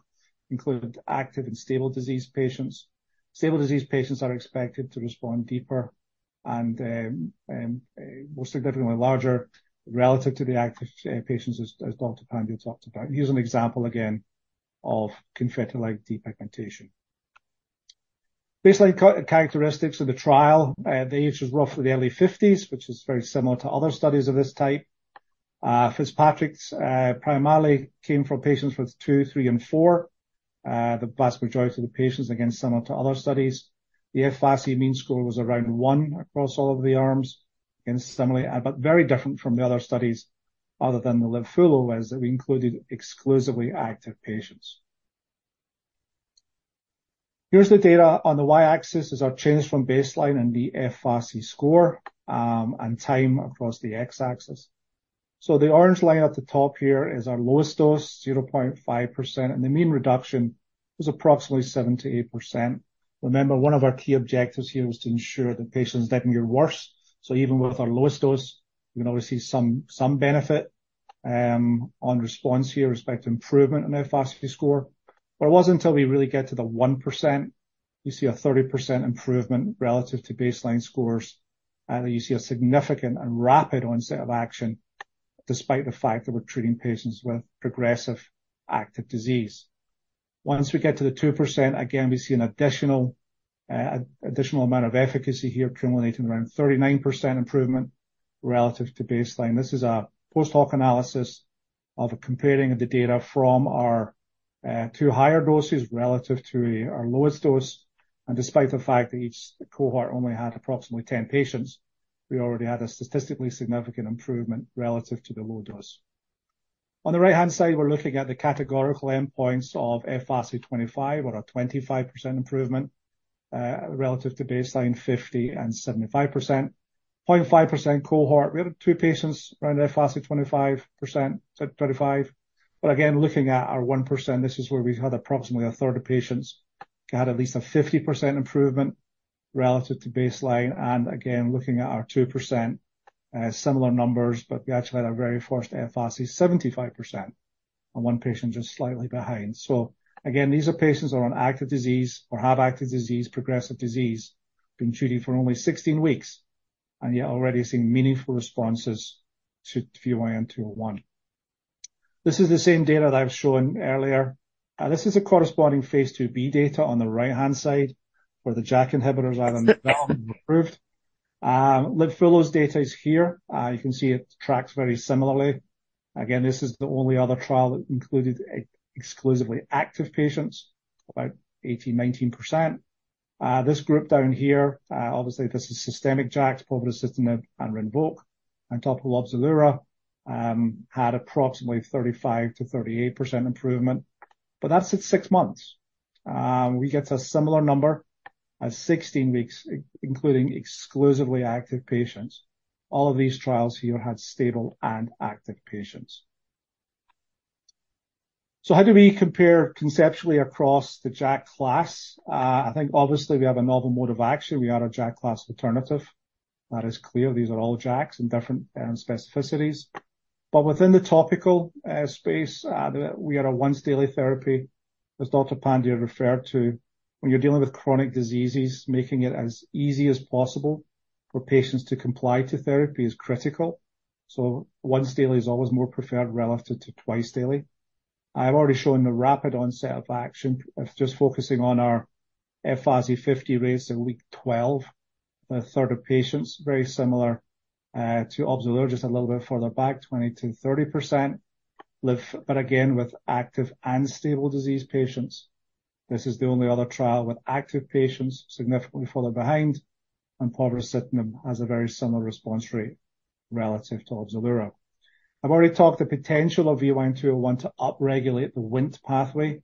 included active and stable disease patients. Stable disease patients are expected to respond deeper and more significantly larger relative to the active patients, as Dr. Pandya talked about. Here's an example, again, of confetti-like depigmentation. Baseline characteristics of the trial, the age was roughly the early fifties, which is very similar to other studies of this type. Fitzpatrick's primarily came from patients with II, III, and IV. The vast majority of the patients, again, similar to other studies. The F-VASI mean score was around one across all of the arms, again, similarly, but very different from the other studies, other than the Litfulo, as we included exclusively active patients. Here's the data. On the Y-axis is our change from baseline and the F-VASI score, and time across the X-axis. So the orange line at the top here is our lowest dose, 0.5%, and the mean reduction is approximately 78%. Remember, one of our key objectives here was to ensure that patients didn't get worse. So even with our lowest dose, you can obviously see some benefit on response here with respect to improvement in the F-VASI score. But it wasn't until we really get to the 1%, you see a 30% improvement relative to baseline scores, and you see a significant and rapid onset of action, despite the fact that we're treating patients with progressive active disease. Once we get to the 2%, again, we see an additional, additional amount of efficacy here, accumulating around 39% improvement relative to baseline. This is a post-hoc analysis of a comparing of the data from our two higher doses relative to our lowest dose, and despite the fact that each cohort only had approximately 10 patients, we already had a statistically significant improvement relative to the low dose. On the right-hand side, we're looking at the categorical endpoints of F-VASI 25, or a 25% improvement relative to baseline 50 and 75%. 0.5% cohort, we had two patients around F-VASI 25%, so 25. But again, looking at our 1%, this is where we've had approximately a third of patients who had at least a 50% improvement relative to baseline, and again, looking at our 2%, similar numbers, but we actually had our very first F-VASI 75%, and one patient just slightly behind. So again, these are patients on active disease or have active disease, progressive disease, being treated for only 16 weeks, and yet already seeing meaningful responses to VYN201. This is the same data that I've shown earlier. This is a corresponding phase II-B data on the right-hand side, where the JAK inhibitors either developed or approved. Litfulo's data is here. You can see it tracks very similarly. Again, this is the only other trial that included exclusively active patients, about 18%-19%. This group down here, obviously, this is systemic JAK, povorcitinib and RINVOQ. On top, Opzelura, had approximately 35%-38% improvement, but that's at 6 months. We get a similar number at 16 weeks, including exclusively active patients. All of these trials here had stable and active patients. So how do we compare conceptually across the JAK class? I think obviously we have a novel mode of action. We are a JAK class alternative. That is clear. These are all JAKs and different, specificities. But within the topical, space, we are a once daily therapy. As Dr. Pandya referred to, when you're dealing with chronic diseases, making it as easy as possible for patients to comply to therapy is critical. So once daily is always more preferred relative to twice daily. I've already shown the rapid onset of action of just focusing on our F-VASI 50 rates at week 12. A third of patients, very similar to Opzelura, just a little bit further back, 20%-30%. VASI, but again, with active and stable disease patients, this is the only other trial with active patients, significantly further behind, and povorcitinib has a very similar response rate relative to Opzelura. I've already talked the potential of VYN201 to upregulate the WNT pathway,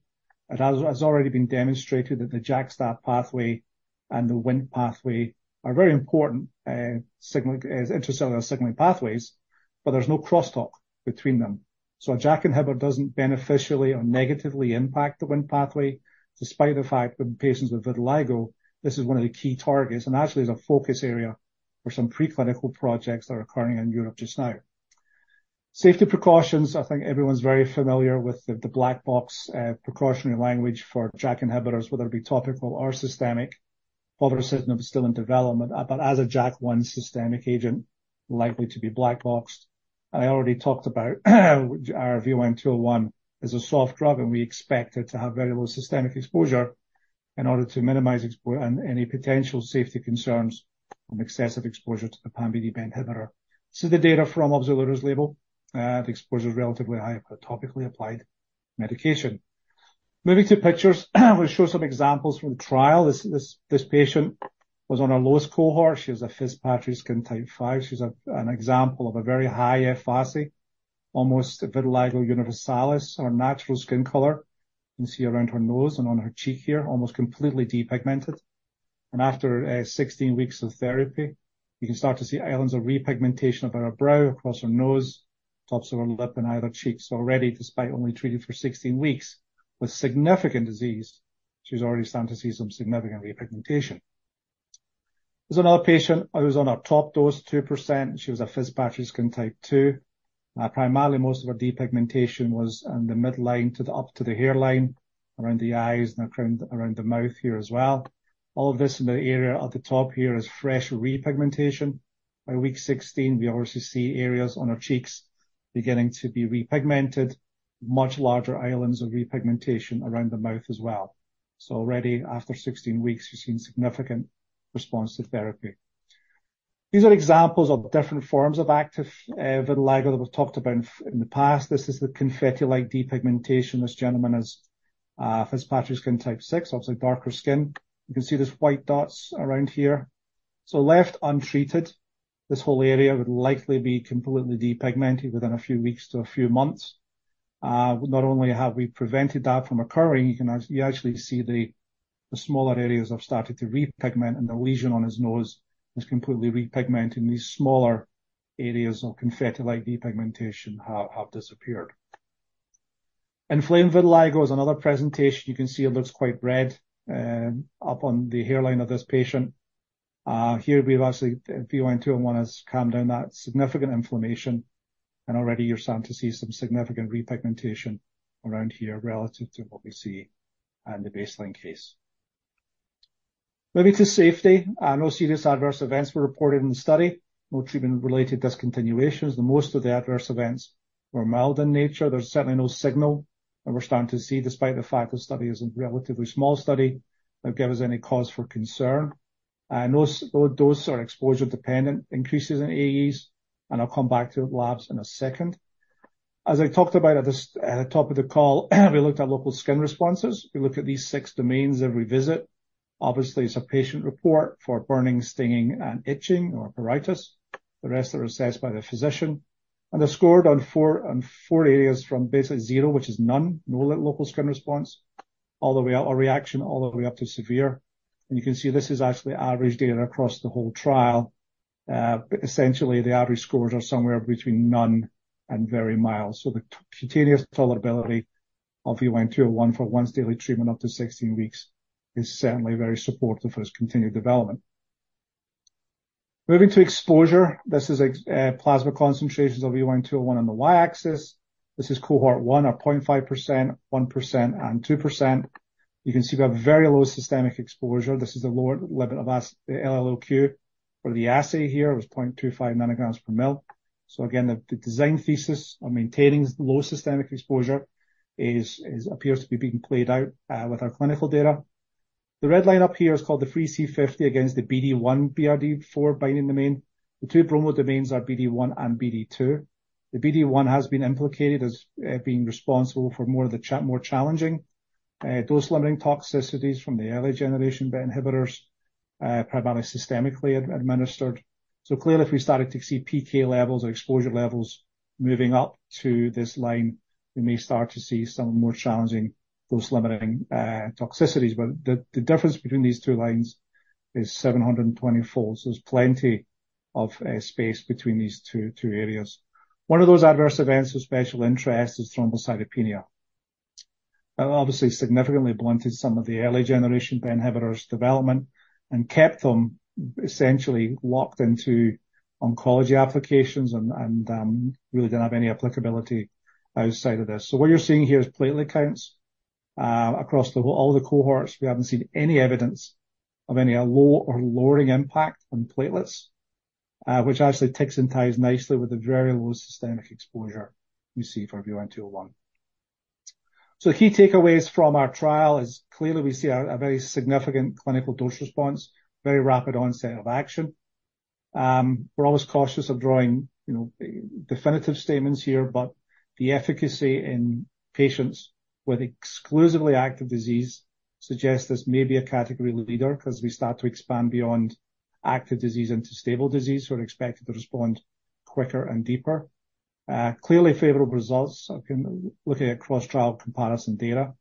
but as it has already been demonstrated that the JAK-STAT pathway and the WNT pathway are very important intracellular signaling pathways, but there's no crosstalk between them. So a JAK inhibitor doesn't beneficially or negatively impact the WNT pathway, despite the fact that in patients with vitiligo, this is one of the key targets, and actually is a focus area for some preclinical projects that are occurring in Europe just now. Safety precautions. I think everyone's very familiar with the black box precautionary language for JAK inhibitors, whether it be topical or systemic. Povorcitinib is still in development, but as a JAK1 systemic agent, likely to be black box. I already talked about our VYN201 is a soft drug, and we expect it to have very low systemic exposure in order to minimize exposure any potential safety concerns from excessive exposure to the pan-BD BET inhibitor. So the data from Opzelura's label, the exposure is relatively high for topically applied medication. Moving to pictures, we'll show some examples from trial. This patient was on our lowest cohort. She has a Fitzpatrick Skin Type V. She's an example of a very high F-VASI, almost a vitiligo universalis or natural skin color. You can see around her nose and on her cheek here, almost completely depigmented. And after 16 weeks of therapy, you can start to see islands of repigmentation above her brow, across her nose, tops of her lip, and either cheeks. Already, despite only treating for 16 weeks with significant disease, she's already starting to see some significant repigmentation. There's another patient who was on our top dose, 2%. She was a Fitzpatrick Skin Type II. Primarily, most of her depigmentation was on the midline up to the hairline, around the eyes, and around the mouth here as well. All this in the area at the top here is fresh repigmentation. By week 16, we obviously see areas on her cheeks beginning to be repigmented, much larger islands of repigmentation around the mouth as well. So already, after 16 weeks, you're seeing significant response to therapy. These are examples of different forms of active vitiligo that we've talked about in the past. This is the confetti-like depigmentation. This gentleman is Fitzpatrick Skin Type VI, obviously darker skin. You can see there's white dots around here. So left untreated, this whole area would likely be completely depigmented within a few weeks to a few months. Not only have we prevented that from occurring, you can actually see the smaller areas have started to repigment, and the lesion on his nose is completely repigmented. These smaller areas of confetti-like depigmentation have disappeared. Inflamed vitiligo is another presentation. You can see it looks quite red up on the hairline of this patient. Here we've actually, VYN201 has calmed down that significant inflammation, and already you're starting to see some significant repigmentation around here relative to what we see on the baseline case. Moving to safety. No serious adverse events were reported in the study. No treatment-related discontinuations. The most of the adverse events were mild in nature. There's certainly no signal that we're starting to see, despite the fact the study is a relatively small study, that give us any cause for concern. No dose or exposure-dependent increases in AEs, and I'll come back to labs in a second. As I talked about at the top of the call, we looked at local skin responses. We look at these six domains every visit. Obviously, it's a patient report for burning, stinging, and itching or pruritus. The rest are assessed by the physician, and they're scored on four areas from basically zero, which is none, no local skin response or reaction, all the way up to severe. And you can see this is actually average data across the whole trial. But essentially, the average scores are somewhere between none and very mild. So the cutaneous tolerability of VYN201 for once daily treatment up to 16 weeks is certainly very supportive for its continued development. Moving to exposure. This is plasma concentrations of VYN201 on the y-axis. This is cohort 1 or 0.5%, 1%, and 2%. You can see we have very low systemic exposure. This is the lower limit of the LLOQ for the assay here. It was 0.25 nanograms per mL. So again, the design thesis on maintaining low systemic exposure appears to be being played out with our clinical data. The red line up here is called the free C50 against the BD1 BRD4 binding domain. The two bromodomains are BD1 and BD2. The BD1 has been implicated as being responsible for more challenging dose-limiting toxicities from the early-generation BET inhibitors, primarily systemically administered. So clearly, if we started to see PK levels or exposure levels moving up to this line, we may start to see some more challenging dose-limiting toxicities. But the difference between these two lines is 724. So there's plenty of space between these two areas. One of those adverse events of special interest is thrombocytopenia. Obviously, significantly blunted some of the early-generation BET inhibitors development and kept them essentially locked into oncology applications and really didn't have any applicability outside of this. So what you're seeing here is platelet counts. Across all the cohorts, we haven't seen any evidence of any low or lowering impact on platelets, which actually ticks and ties nicely with the very low systemic exposure we see for VYN201. So key takeaways from our trial is, clearly we see a very significant clinical dose response, very rapid onset of action. We're always cautious of drawing, you know, definitive statements here, but the efficacy in patients with exclusively active disease suggests this may be a category leader as we start to expand beyond active disease into stable disease, who are expected to respond quicker and deeper. Clearly favorable results, again, looking at cross-trial comparison data.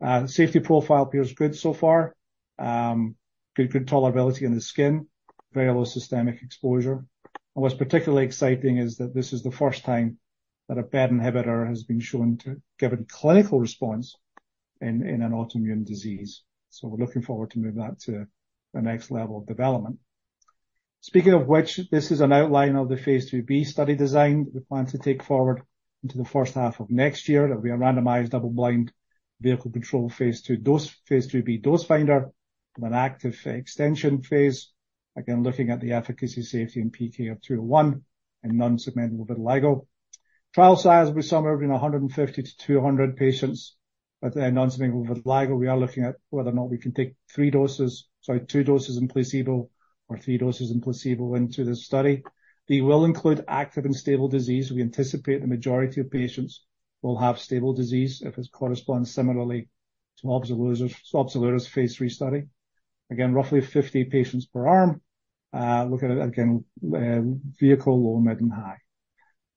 The safety profile appears good so far. Good, good tolerability in the skin, very low systemic exposure. And what's particularly exciting is that this is the first time that a BET inhibitor has been shown to give a clinical response in an autoimmune disease. So we're looking forward to move that to the next level of development. Speaking of which, this is an outline of the phase II-B study design we plan to take forward into the first half of next year. There'll be a randomized, double-blind, vehicle-controlled phase II dose- phase II-B dose finder with an active extension phase. Again, looking at the efficacy, safety, and PK of VYN201 in non-segmental vitiligo. Trial size will be somewhere between 150 to 200 patients with a non-segmental vitiligo. We are looking at whether or not we can take three doses, sorry, two doses in placebo or three doses in placebo into the study. We will include active and stable disease. We anticipate the majority of patients will have stable disease if it corresponds similarly to Opzelura, Opzelura's phase III study. Again, roughly 50 patients per arm. Looking at, again, vehicle, low, mid, and high.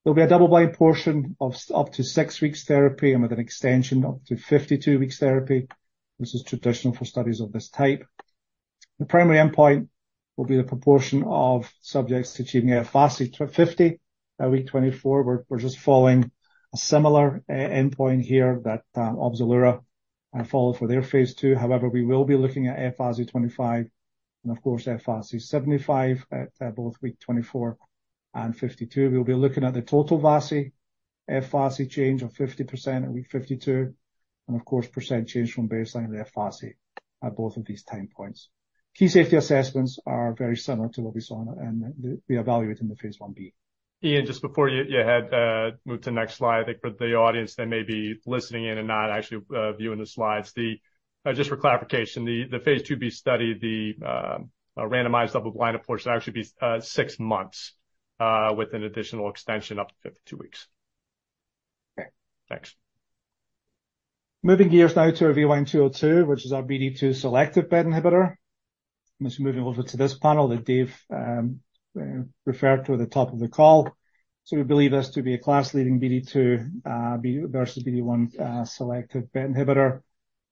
There'll be a double blind portion of up to six weeks therapy and with an extension up to 52 weeks therapy. This is traditional for studies of this type. The primary endpoint will be the proportion of subjects achieving F-VASI 50 at week 24. We're just following a similar endpoint here that Opzelura have followed for their phase II. However, we will be looking at F-VASI 25 and, of course, F-VASI 75 at both week 24 and 52. We'll be looking at the total VASI, F-VASI change of 50% at week 52, and of course, percent change from baseline of the F-VASI at both of these time points. Key safety assessments are very similar to what we evaluate in the phase I-B. Iain, just before you head, move to the next slide, I think for the audience that may be listening in and not actually viewing the slides. Just for clarification, the phase II-B study, the randomized double-blind, of course, it actually be 6 months with an additional extension up to 52 weeks. Okay. Thanks. Moving gears now to our VYN202, which is our BD2 selective BET inhibitor. Just moving over to this panel that Dave referred to at the top of the call. So we believe this to be a class-leading BD2 versus BD1 selective BET inhibitor.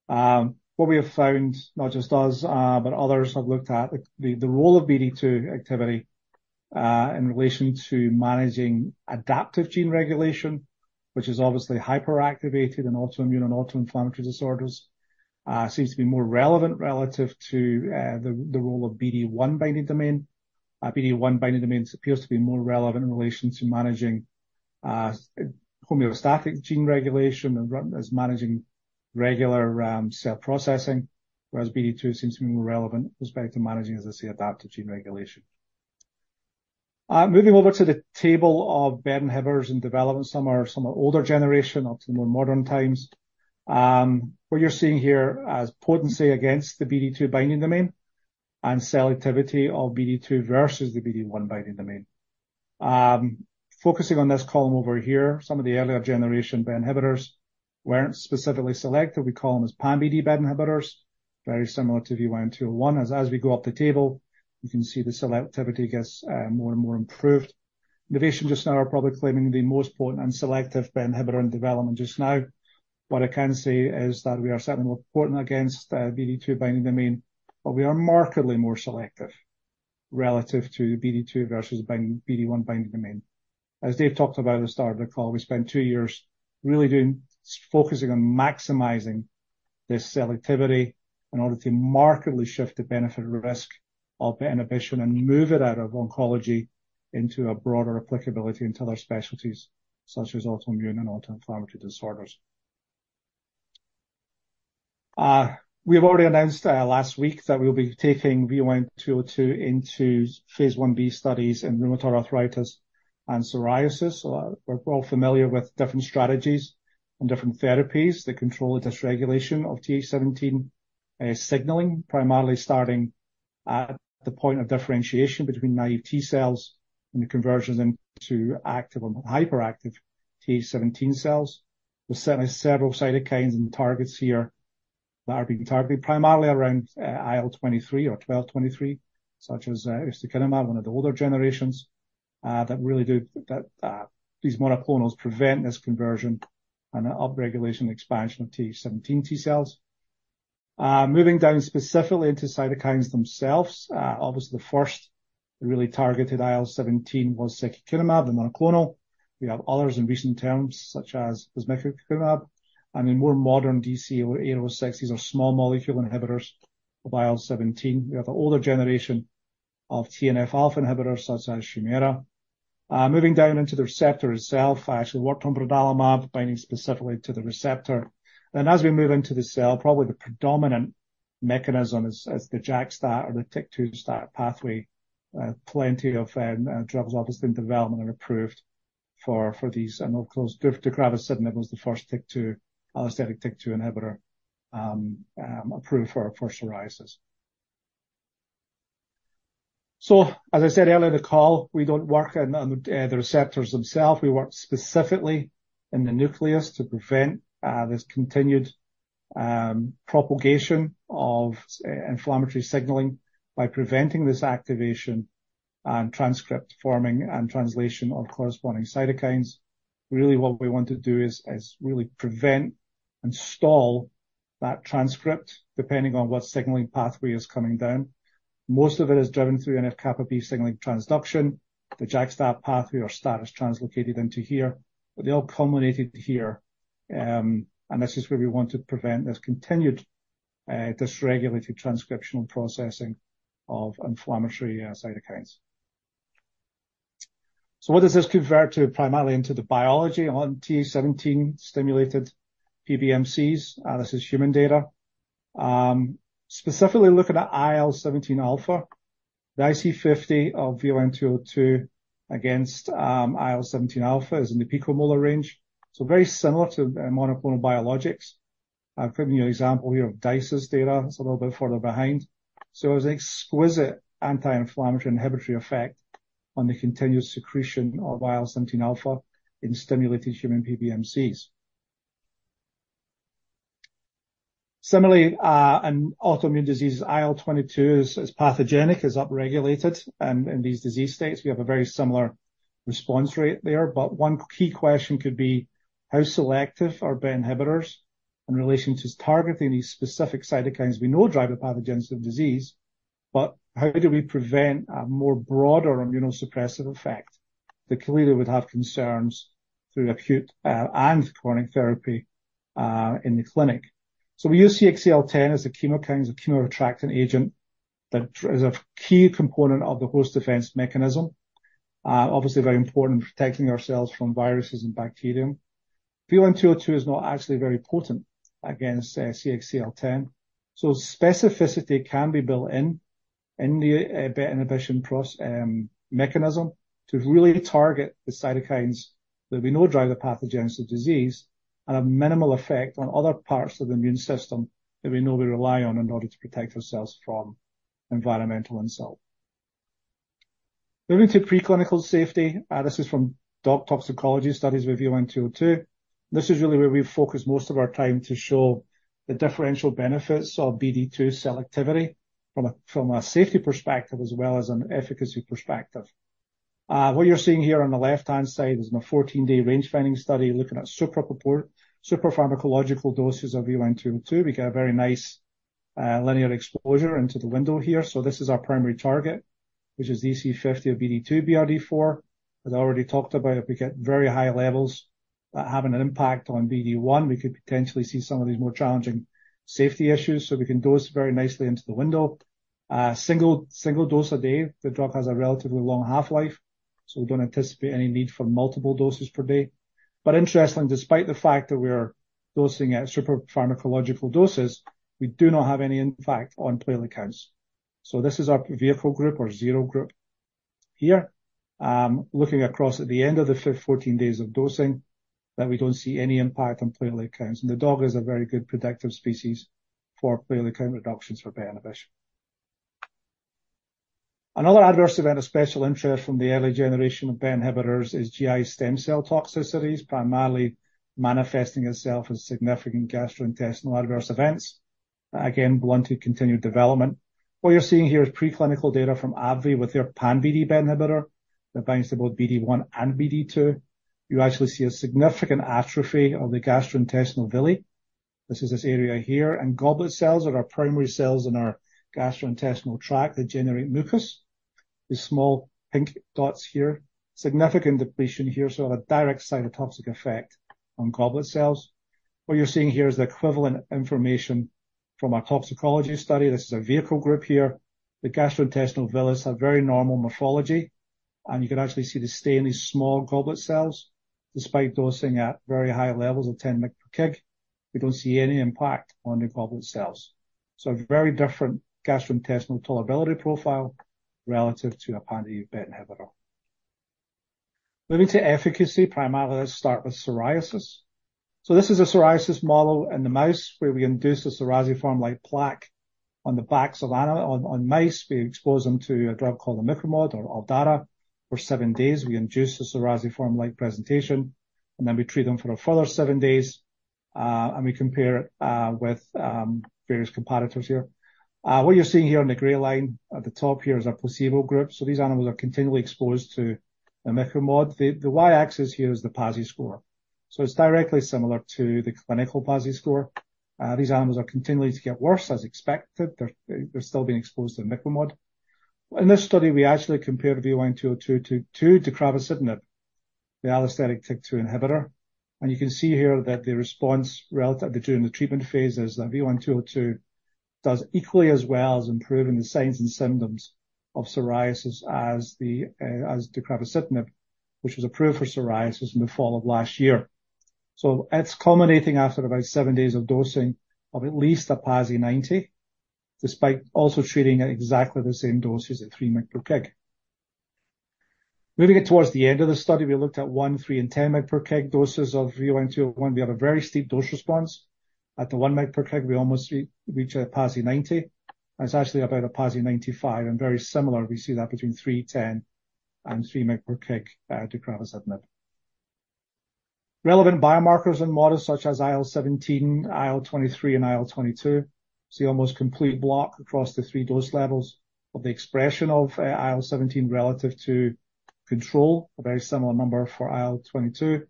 What we have found, not just us, but others have looked at the role of BD2 activity in relation to managing adaptive gene regulation, which is obviously hyperactivated in autoimmune and autoinflammatory disorders. Seems to be more relevant relative to the role of BD1 binding domain. BD1 binding domains appears to be more relevant in relation to managing homeostatic gene regulation and as managing regular cell processing, whereas BD2 seems to be more relevant with respect to managing, as I say, adaptive gene regulation. Moving over to the table of BET inhibitors in development. Some are older generation up to the more modern times. What you're seeing here as potency against the BD2 binding domain and selectivity of BD2 versus the BD1 binding domain. Focusing on this column over here, some of the earlier generation BET inhibitors weren't specifically selected. We call them as pan-BD BET inhibitors, very similar to VYN201. As we go up the table, you can see the selectivity gets more and more improved. Nuvation just now are probably claiming the most potent and selective BET inhibitor in development just now. What I can say is that we are certainly more potent against BD2 binding domain, but we are markedly more selective relative to BD2 versus BD1 binding domain. As Dave talked about at the start of the call, we spent two years really focusing on maximizing this selectivity in order to markedly shift the benefit of risk of inhibition and move it out of oncology into a broader applicability into other specialties, such as autoimmune and autoinflammatory disorders. We've already announced last week that we'll be taking VYN202 phase I-B studies in rheumatoid arthritis and psoriasis. We're all familiar with different strategies and different therapies that control the dysregulation of Th17 signaling, primarily starting at the point of differentiation between naive T-cells and the conversion into active and hyperactive Th17 cells. There's certainly several cytokines and targets here that are being targeted primarily around IL-12 and IL-23, such as ustekinumab, one of the older generations that really do... That these monoclonals prevent this conversion and upregulation expansion of Th17 T-cells. Moving down specifically into cytokines themselves, obviously the first really targeted IL-17 was secukinumab, the monoclonal. We have others in recent terms, such as guselkumab, and in more modern deucravacitinib, these are small molecule inhibitors of IL-17. We have an older generation of TNF-alpha inhibitors, such as Humira. Moving down into the receptor itself, I actually worked on brodalumab, binding specifically to the receptor. Then as we move into the cell, probably the predominant mechanism is the JAK-STAT or the TYK2-STAT pathway. Plenty of drugs, obviously, in development and approved for these. And of course, deucravacitinib was the first TYK2 allosteric TYK2 inhibitor approved for psoriasis. So as I said earlier in the call, we don't work on the receptors themselves. We work specifically in the nucleus to prevent this continued propagation of inflammatory signaling by preventing this activation and transcript forming and translation of corresponding cytokines. Really, what we want to do is really prevent and stall that transcript, depending on what signaling pathway is coming down. Most of it is driven through NF-κB signaling transduction. The JAK-STAT pathway or STAT is translocated into here, but they all culminated here, and this is where we want to prevent this continued dysregulated transcriptional processing of inflammatory cytokines. So what does this convert to primarily into the biology on Th17-stimulated PBMCs? This is human data. Specifically looking at IL-17α, the IC50 of VYN202 against IL-17α is in the picomolar range, so very similar to monoclonal biologics. Giving you an example here of Dice's data, it's a little bit further behind. So it's an exquisite anti-inflammatory inhibitory effect on the continuous secretion of IL-17 alpha in stimulated human PBMCs. Similarly, in autoimmune diseases, IL-22 is pathogenic, is upregulated in these disease states. We have a very similar response rate there, but one key question could be: How selective are BET inhibitors in relation to targeting these specific cytokines we know drive the pathogenesis of disease, but how do we prevent a broader immunosuppressive effect that clearly would have concerns through acute and chronic therapy in the clinic? So we use CXCL10 as a chemokine, a chemoattractant agent, that is a key component of the host defense mechanism. Obviously very important in protecting ourselves from viruses and bacterium. VYN202 is not actually very potent against CXCL10, so specificity can be built in, in the inhibition process mechanism to really target the cytokines that we know drive the pathogenesis of disease and have minimal effect on other parts of the immune system that we know we rely on in order to protect ourselves from environmental insult. Moving to preclinical safety, this is from dog toxicology studies with VYN202. This is really where we focus most of our time to show the differential benefits of BD2 selectivity from a safety perspective as well as an efficacy perspective. What you're seeing here on the left-hand side is in a 14-day range-finding study, looking at supra pharmacological doses of VYN202. We get a very nice linear exposure into the window here. So this is our primary target, which is EC50 of BD2, BRD4. As I already talked about, if we get very high levels, having an impact on BD1, we could potentially see some of these more challenging safety issues, so we can dose very nicely into the window. Single dose a day. The drug has a relatively long half-life, so we don't anticipate any need for multiple doses per day. But interestingly, despite the fact that we're dosing at supra pharmacological doses, we do not have any impact on platelet counts. So this is our vehicle group or zero group here. Looking across at the end of the first fourteen days of dosing, that we don't see any impact on platelet counts, and the dog is a very good predictive species for platelet count reductions for BET inhibition. Another adverse event of special interest from the early generation of BET inhibitors is GI stem cell toxicities, primarily manifesting itself as significant gastrointestinal adverse events. Again, want to continue development. What you're seeing here is preclinical data from AbbVie with their pan-BD BET inhibitor that binds to both BD-1 and BD-2. You actually see a significant atrophy of the gastrointestinal villi. This is this area here, and goblet cells are our primary cells in our gastrointestinal tract that generate mucus, these small pink dots here. Significant depletion here, so a direct cytotoxic effect on goblet cells. What you're seeing here is the equivalent information from our toxicology study. This is a vehicle group here. The gastrointestinal villus have very normal morphology, and you can actually see the stain in these small goblet cells. Despite dosing at very high levels of 10 mg per kg, we don't see any impact on the goblet cells. So a very different gastrointestinal tolerability profile relative to a pan-BD inhibitor. Moving to efficacy, primarily, let's start with psoriasis. So this is a psoriasis model in the mouse where we induce a psoriform-like plaque on the backs of mice. We expose them to a drug called imiquimod or Aldara. For 7 days, we induce a psoriform-like presentation, and then we treat them for a further 7 days, and we compare it with various competitors here. What you're seeing here on the gray line at the top here is our placebo group. So these animals are continually exposed to imiquimod. The y-axis here is the PASI score, so it's directly similar to the clinical PASI score. These animals are continuing to get worse as expected. They're still being exposed to imiquimod. In this study, we actually compared VYN202 to deucravacitinib, the allosteric TYK2 inhibitor, and you can see here that the response relative between the treatment phases, that VYN202 does equally as well as improving the signs and symptoms of psoriasis as deucravacitinib, which was approved for psoriasis in the fall of last year. So it's culminating after about seven days of dosing of at least a PASI 90, despite also treating at exactly the same doses at 3 mg per kg. Moving it towards the end of the study, we looked at 1, 3, and 10 mg per kg doses of VYN202 when we had a very steep dose response. At the 1 mg per kg, we almost reach a PASI 90. It's actually about a PASI 95, and very similar, we see that between 3, 10, and 30 mg per kg deucravacitinib. Relevant biomarkers in models such as IL-17, IL-23, and IL-22. See almost complete block across the three dose levels of the expression of IL-17 relative to control. A very similar number for IL-22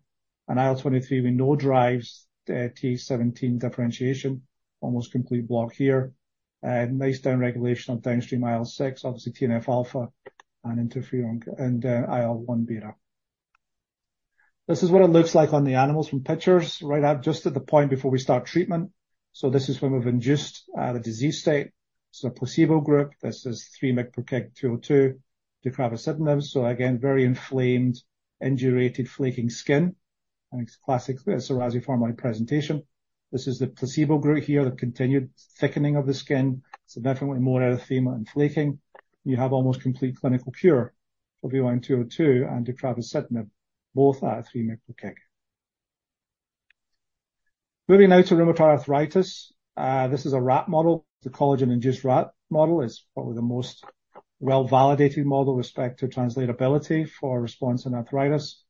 and IL-23, we know drives the Th17 differentiation, almost complete block here. Nice down-regulation on downstream IL-6, obviously TNF-α and interferon, and IL-1 beta. This is what it looks like on the animals from pictures, right at, just at the point before we start treatment. So this is when we've induced the disease state. So placebo group, this is 3 mg per kg VYN202 deucravacitinib. So again, very inflamed, indurated, flaking skin, and it's classic psoriasiform-like presentation. This is the placebo group here, the continued thickening of the skin, significantly more erythema and flaking. You have almost complete clinical cure for VYN202 and deucravacitinib, both at 3 mg per kg. Moving now to rheumatoid arthritis. This is a rat model. The collagen-induced rat model is probably the most well-validated model with respect to translatability for response in arthritis.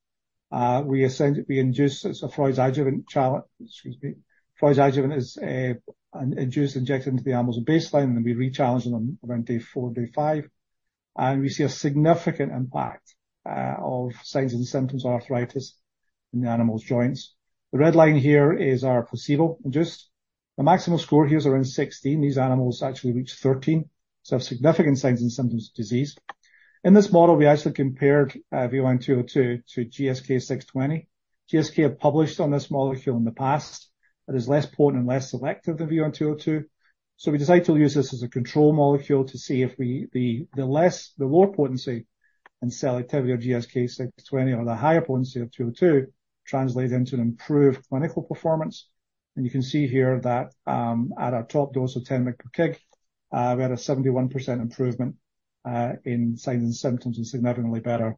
We essentially induce with a Freund's adjuvant challenge. Excuse me. Freund's adjuvant is an adjuvant injected into the animals at baseline, and then we re-challenge them around day 4, day 5, and we see a significant impact of signs and symptoms of arthritis in the animals' joints. The red line here is our placebo induced. The maximal score here is around 16. These animals actually reach 13, so have significant signs and symptoms of disease. In this model, we actually compared VYN202 to GSK620. GSK have published on this molecule in the past. It is less potent and less selective than VYN202, so we decided to use this as a control molecule to see if the lower potency and selectivity of GSK620 or the higher potency of VYN202 translate into an improved clinical performance. And you can see here that at our top dose of 10 mg per kg, we had a 71% improvement in signs and symptoms and significantly better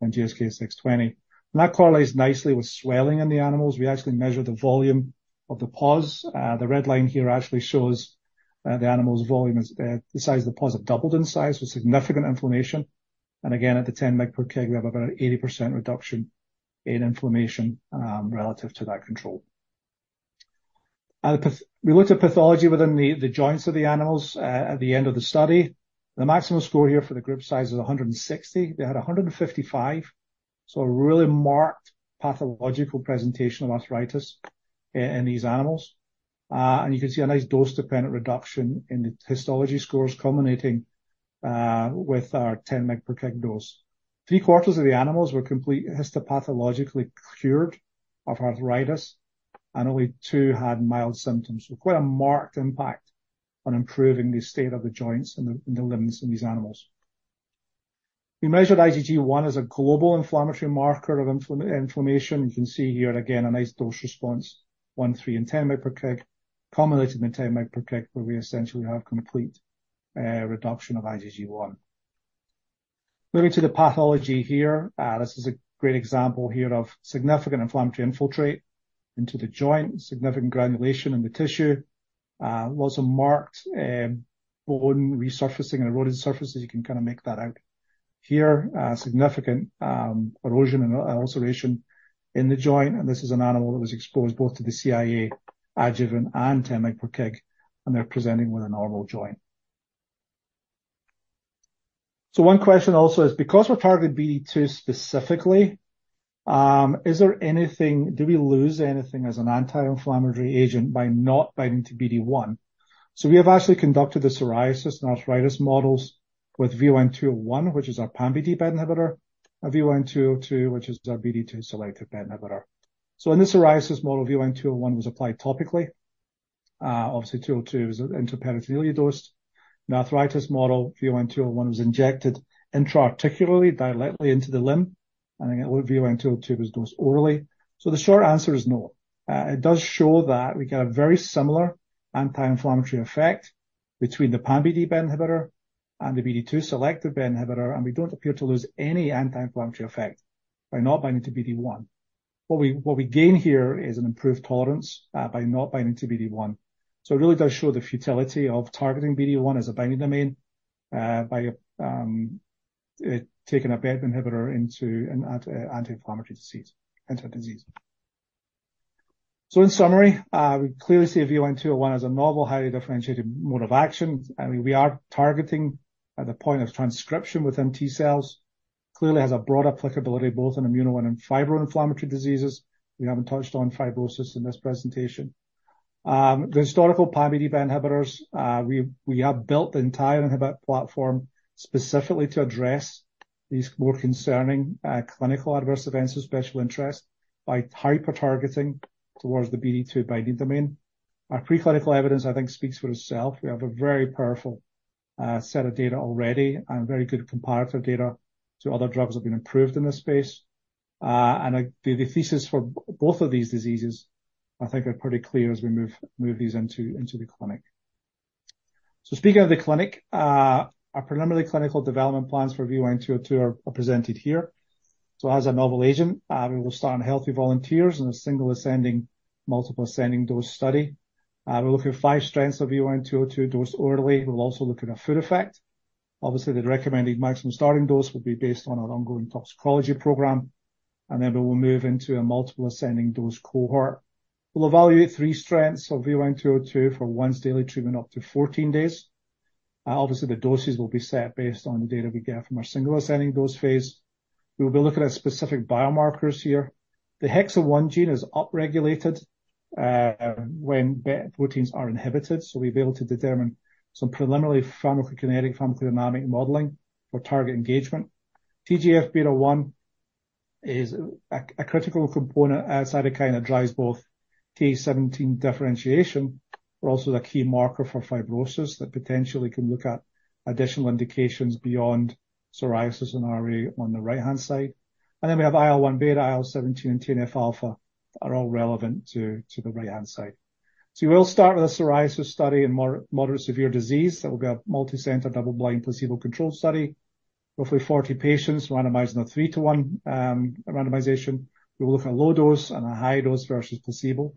than GSK620. And that correlates nicely with swelling in the animals. We actually measure the volume of the paws. The red line here actually shows, the animal's volume is, the size of the paws have doubled in size with significant inflammation, and again, at the 10 mg per kg, we have about 80% reduction in inflammation, relative to that control. We looked at pathology within the joints of the animals, at the end of the study. The maximum score here for the group size is 160. They had 155, so a really marked pathological presentation of arthritis in these animals. And you can see a nice dose-dependent reduction in the histology scores, culminating, with our 10 mg per kg dose. Three-quarters of the animals were completely histopathologically cured of arthritis, and only two had mild symptoms. So quite a marked impact on improving the state of the joints and the limbs in these animals. We measured IgG1 as a global inflammatory marker of inflammation. You can see here, again, a nice dose response, 1, 3, and 10 mg per kg, culminating in 10 mg per kg, where we essentially have complete reduction of IgG1. Moving to the pathology here, this is a great example here of significant inflammatory infiltrate into the joint, significant granulation in the tissue, lots of marked bone resurfacing and eroded surfaces. You can kind of make that out here. Significant erosion and ulceration in the joint, and this is an animal that was exposed both to the CIA adjuvant and 10 mg per kg, and they're presenting with a normal joint. So one question also is: Because we're targeting BD2 specifically, is there anything—do we lose anything as an anti-inflammatory agent by not binding to BD1? So we have actually conducted the psoriasis and arthritis models with VYN201, which is our pan-BD BET inhibitor, and VYN202, which is our BD2-selective BET inhibitor. So in the psoriasis model, VYN201 was applied topically. Obviously, 202 is intraperitoneal dosed. In arthritis model, VYN201 was injected intra-articularly, directly into the limb, and VYN202 was dosed orally. So the short answer is no. It does show that we get a very similar anti-inflammatory effect between the pan-BD BET inhibitor and the BD2-selective BET inhibitor, and we don't appear to lose any anti-inflammatory effect by not binding to BD1. What we, what we gain here is an improved tolerance, by not binding to BD1. So it really does show the futility of targeting BD1 as a binding domain, by taking a BET inhibitor into an anti, anti-inflammatory disease, into a disease. So in summary, we clearly see VYN201 as a novel, highly differentiated mode of action, and we, we are targeting at the point of transcription within T cells. Clearly has a broad applicability, both in immuno and in fibroinflammatory diseases. We haven't touched on fibrosis in this presentation. The historical pan-BD BET inhibitors, we, we have built the entire inhibitor platform specifically to address these more concerning, clinical adverse events of special interest by hyper targeting towards the BD2 binding domain. Our preclinical evidence, I think, speaks for itself. We have a very powerful, set of data already and very good comparative data to other drugs that have been improved in this space. And the thesis for both of these diseases, I think, are pretty clear as we move these into the clinic. So speaking of the clinic, our preliminary clinical development plans for VYN202 are presented here. So as a novel agent, we will start on healthy volunteers in a single ascending, multiple ascending dose study. We're looking at five strengths of VYN202 dosed orally. We'll also look at a food effect. Obviously, the recommended maximum starting dose will be based on our ongoing toxicology program, and then we will move into a multiple ascending dose cohort. We'll evaluate three strengths of VYN202 for once daily treatment, up to 14 days. Obviously, the doses will be set based on the data we get from our single ascending dose phase. We will be looking at specific biomarkers here. The HEXIM1 gene is upregulated when BET proteins are inhibited, so we'll be able to determine some preliminary pharmacokinetic, pharmacodynamic modeling for target engagement. TGF-β1 is a critical component, a cytokine that drives both Th17 differentiation, but also the key marker for fibrosis that potentially can look at additional indications beyond psoriasis and RA on the right-hand side. Then we have IL-1 beta, IL-17, and TNF-α are all relevant to the right-hand side. So we will start with a psoriasis study in more moderate severe disease. That will be a multicenter, double-blind, placebo-controlled study. Roughly 40 patients, randomizing 3-to-1 randomization. We will look at low dose and a high dose versus placebo.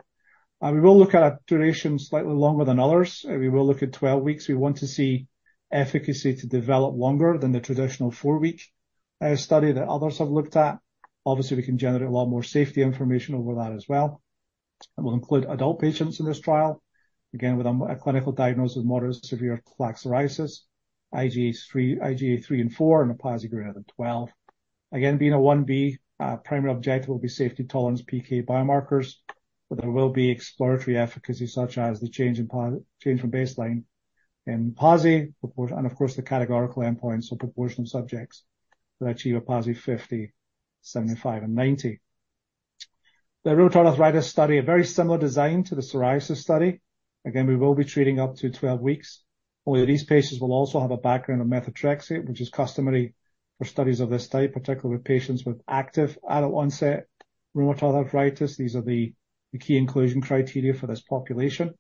We will look at a duration slightly longer than others. We will look at 12 weeks. We want to see efficacy to develop longer than the traditional 4-week study that others have looked at. Obviously, we can generate a lot more safety information over that as well, and we'll include adult patients in this trial. Again, with a clinical diagnosis of moderate to severe plaque psoriasis, IGA 3, IGA 3 and 4, and a PASI greater than 12. Again, being a I-B, primary objective will be safety, tolerance, PK biomarkers, but there will be exploratory efficacy, such as the change from baseline in PASI report and, of course, the categorical endpoints or proportion of subjects that achieve a PASI 50, 75, and 90. The rheumatoid arthritis study, a very similar design to the psoriasis study. Again, we will be treating up to 12 weeks, only these patients will also have a background of methotrexate, which is customary for studies of this type, particularly patients with active adult-onset rheumatoid arthritis. These are the key inclusion criteria for this population.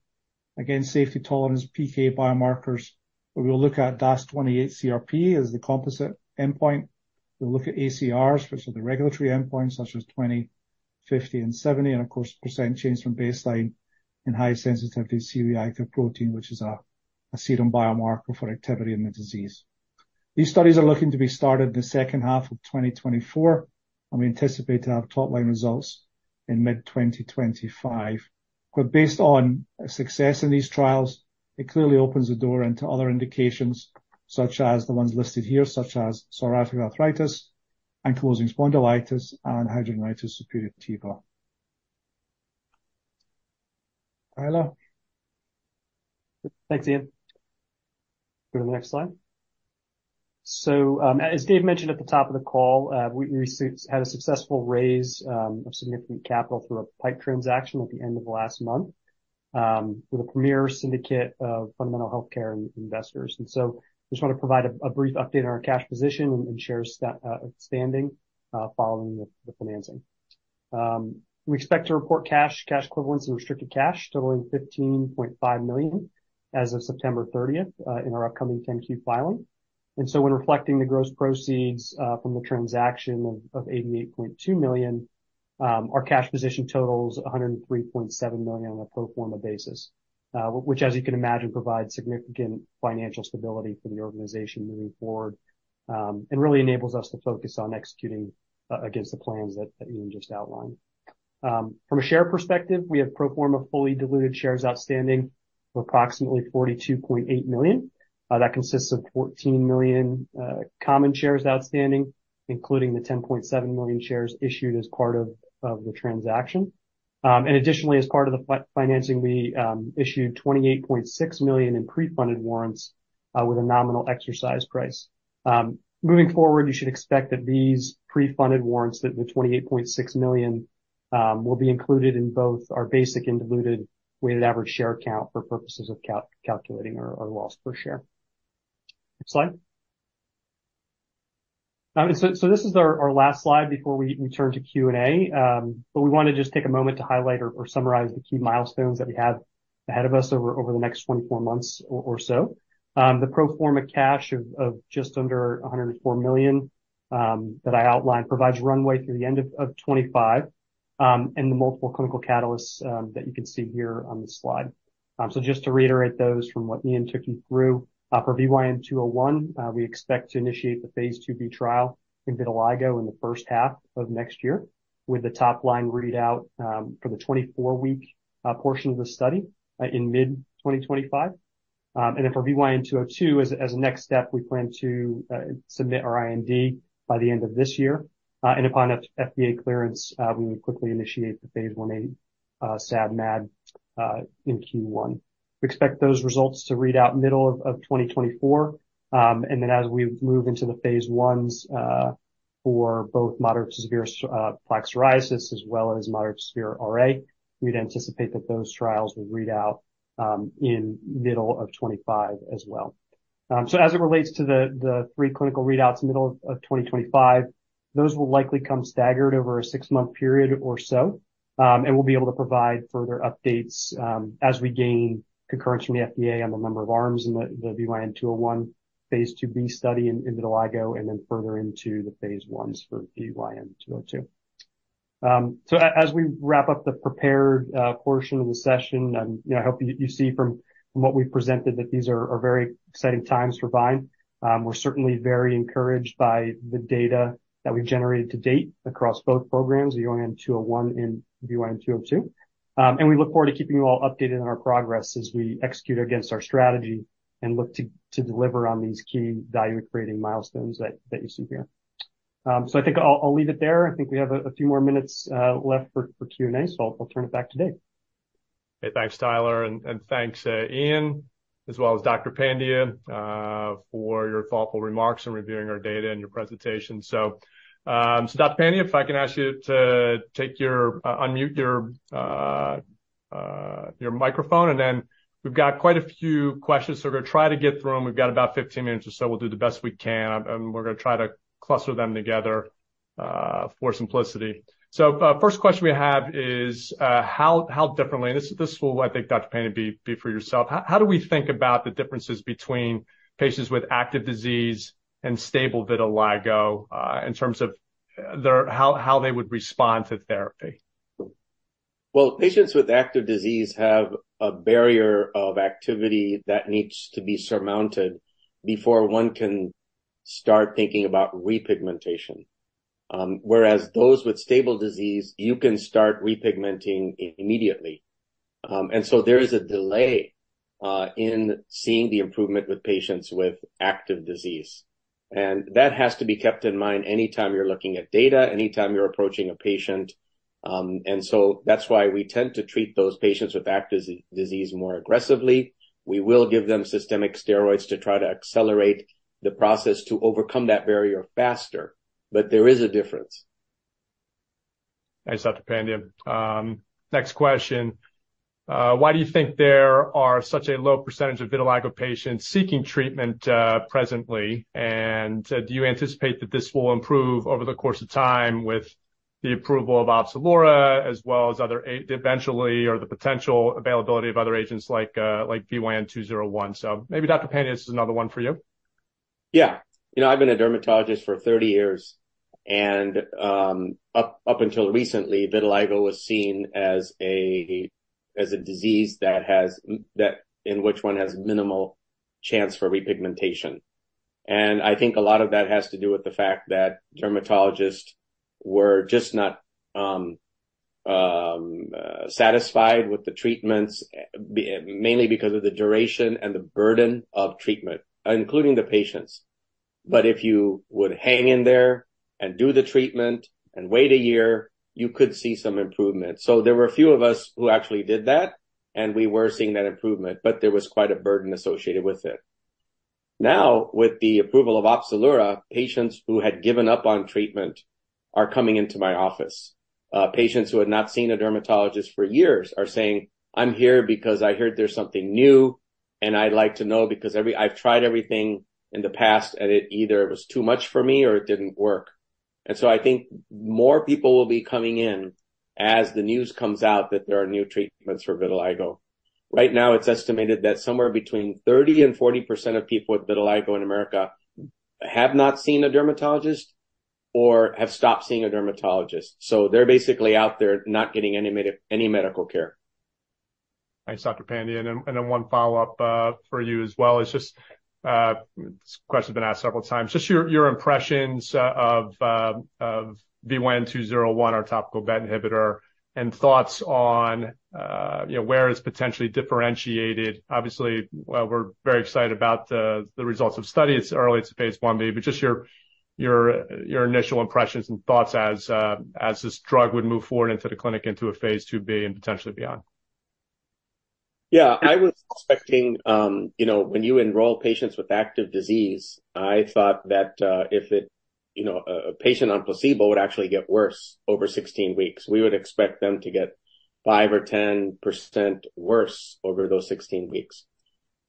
Again, safety, tolerance, PK, biomarkers, where we will look at DAS28-CRP as the composite endpoint. We'll look at ACRs, which are the regulatory endpoints, such as 20, 50, and 70, and of course, % change from baseline in high sensitivity C-reactive protein, which is a serum biomarker for activity in the disease. These studies are looking to be started in the second half of 2024, and we anticipate to have top-line results in mid-2025. But based on success in these trials, it clearly opens the door into other indications, such as the ones listed here, such as psoriatic arthritis, ankylosing spondylitis, and hidradenitis suppurativa. Tyler? Thanks, Iain. Go to the next slide. As Dave mentioned at the top of the call, we had a successful raise of significant capital through a PIPE transaction at the end of last month with a premier syndicate of fundamental healthcare investors. So I just want to provide a brief update on our cash position and shares outstanding following the financing. We expect to report cash, cash equivalents, and restricted cash totaling $15.5 million as of September 30th in our upcoming 10-Q filing. When reflecting the gross proceeds from the transaction of $88.2 million, our cash position totals $103.7 million on a pro forma basis, which, as you can imagine, provides significant financial stability for the organization moving forward, and really enables us to focus on executing against the plans that Iain just outlined. From a share perspective, we have pro forma fully diluted shares outstanding of approximately 42.8 million. That consists of 14 million common shares outstanding, including the 10.7 million shares issued as part of the transaction. And additionally, as part of the financing, we issued 28.6 million in pre-funded warrants with a nominal exercise price. Moving forward, you should expect that these pre-funded warrants, that the $28.6 million, will be included in both our basic and diluted weighted average share count for purposes of calculating our loss per share. Next slide. So this is our last slide before we turn to Q&A, but we want to just take a moment to highlight or summarize the key milestones that we have ahead of us over the next 24 months or so. The pro forma cash of just under $104 million that I outlined provides runway through the end of 2025, and the multiple clinical catalysts that you can see here on this slide. So just to reiterate those from what Iain took you through, for VYN201, we expect to initiate the phase II-B trial in vitiligo in the first half of next year, with the top-line readout, for the 24-week portion of the study, in mid-2025. And then for VYN202, as a next step, we plan to submit our IND by the end of this year. And upon FDA clearance, we will quickly initiate the phase I-A, SAD/MAD, in Q1. We expect those results to read out middle of 2024. And then as we move into the phase ones, for both moderate to severe plaque psoriasis, as well as moderate to severe RA, we'd anticipate that those trials will read out, in middle of 2025 as well. So as it relates to the, the three clinical readouts in middle of, of 2025, those will likely come staggered over a six-month period or so. And we'll be able to provide further updates, as we gain concurrence from the FDA on the number of arms in the, the VYN201 phase II-B study in, in vitiligo, and then further into the phase Is for VYN202. So as we wrap up the prepared portion of the session, you know, I hope you, you see from, from what we've presented, that these are, are very exciting times for VYNE. We're certainly very encouraged by the data that we've generated to date across both programs, VYN201 and VYN202. And we look forward to keeping you all updated on our progress as we execute against our strategy and look to deliver on these key value-creating milestones that you see here. So I think I'll leave it there. I think we have a few more minutes left for Q&A, so I'll turn it back to Dave. Hey, thanks, Tyler, and thanks, Iain, as well as Dr. Pandya, for your thoughtful remarks in reviewing our data and your presentation. So, Dr. Pandya, if I can ask you to take your... unmute your microphone, and then we've got quite a few questions, so we're gonna try to get through them. We've got about 15 minutes or so. We'll do the best we can, and we're gonna try to cluster them together, for simplicity. So, first question we have is, how differently... This, I think, Dr. Pandya, will be for yourself. How do we think about the differences between patients with active disease and stable vitiligo, in terms of-... how they would respond to therapy? Well, patients with active disease have a barrier of activity that needs to be surmounted before one can start thinking about re--pigmentation. Whereas those with stable disease, you can start re-pigmenting immediately. And so there is a delay in seeing the improvement with patients with active disease. And that has to be kept in mind any time you're looking at data, anytime you're approaching a patient. And so that's why we tend to treat those patients with active disease more aggressively. We will give them systemic steroids to try to accelerate the process to overcome that barrier faster. But there is a difference. Thanks, Dr. Pandya. Next question. Why do you think there are such a low percentage of vitiligo patients seeking treatment, presently? And do you anticipate that this will improve over the course of time with the approval of Opzelura as well as other eventually, or the potential availability of other agents like, like VYN201? So maybe Dr. Pandya, this is another one for you. Yeah. You know, I've been a dermatologist for 30 years, and, up until recently, vitiligo was seen as a disease that in which one has minimal chance for re-pigmentation. And I think a lot of that has to do with the fact that dermatologists were just not satisfied with the treatments, mainly because of the duration and the burden of treatment, including the patients. But if you would hang in there and do the treatment and wait a year, you could see some improvement. So there were a few of us who actually did that, and we were seeing that improvement, but there was quite a burden associated with it. Now, with the approval of Opzelura, patients who had given up on treatment are coming into my office. Patients who had not seen a dermatologist for years are saying, "I'm here because I heard there's something new, and I'd like to know, because I've tried everything in the past, and it either was too much for me or it didn't work." So I think more people will be coming in as the news comes out that there are new treatments for vitiligo. Right now, it's estimated that somewhere between 30% and 40% of people with vitiligo in America have not seen a dermatologist or have stopped seeing a dermatologist. So they're basically out there not getting any medi, any medical care. Thanks, Dr. Pandya. And then one follow-up for you as well. It's just this question's been asked several times. Just your impressions of VYN201, our topical BET inhibitor, and thoughts on, you know, where it's potentially differentiated. Obviously, well, we're very excited about the results of study. It's early, it's phase I-B, but just your initial impressions and thoughts as this drug would move forward into the clinic, into a phase II-B and potentially beyond. Yeah. I was expecting, you know, when you enroll patients with active disease, I thought that, if it, you know, a patient on placebo would actually get worse over 16 weeks. We would expect them to get 5% or 10% worse over those 16 weeks.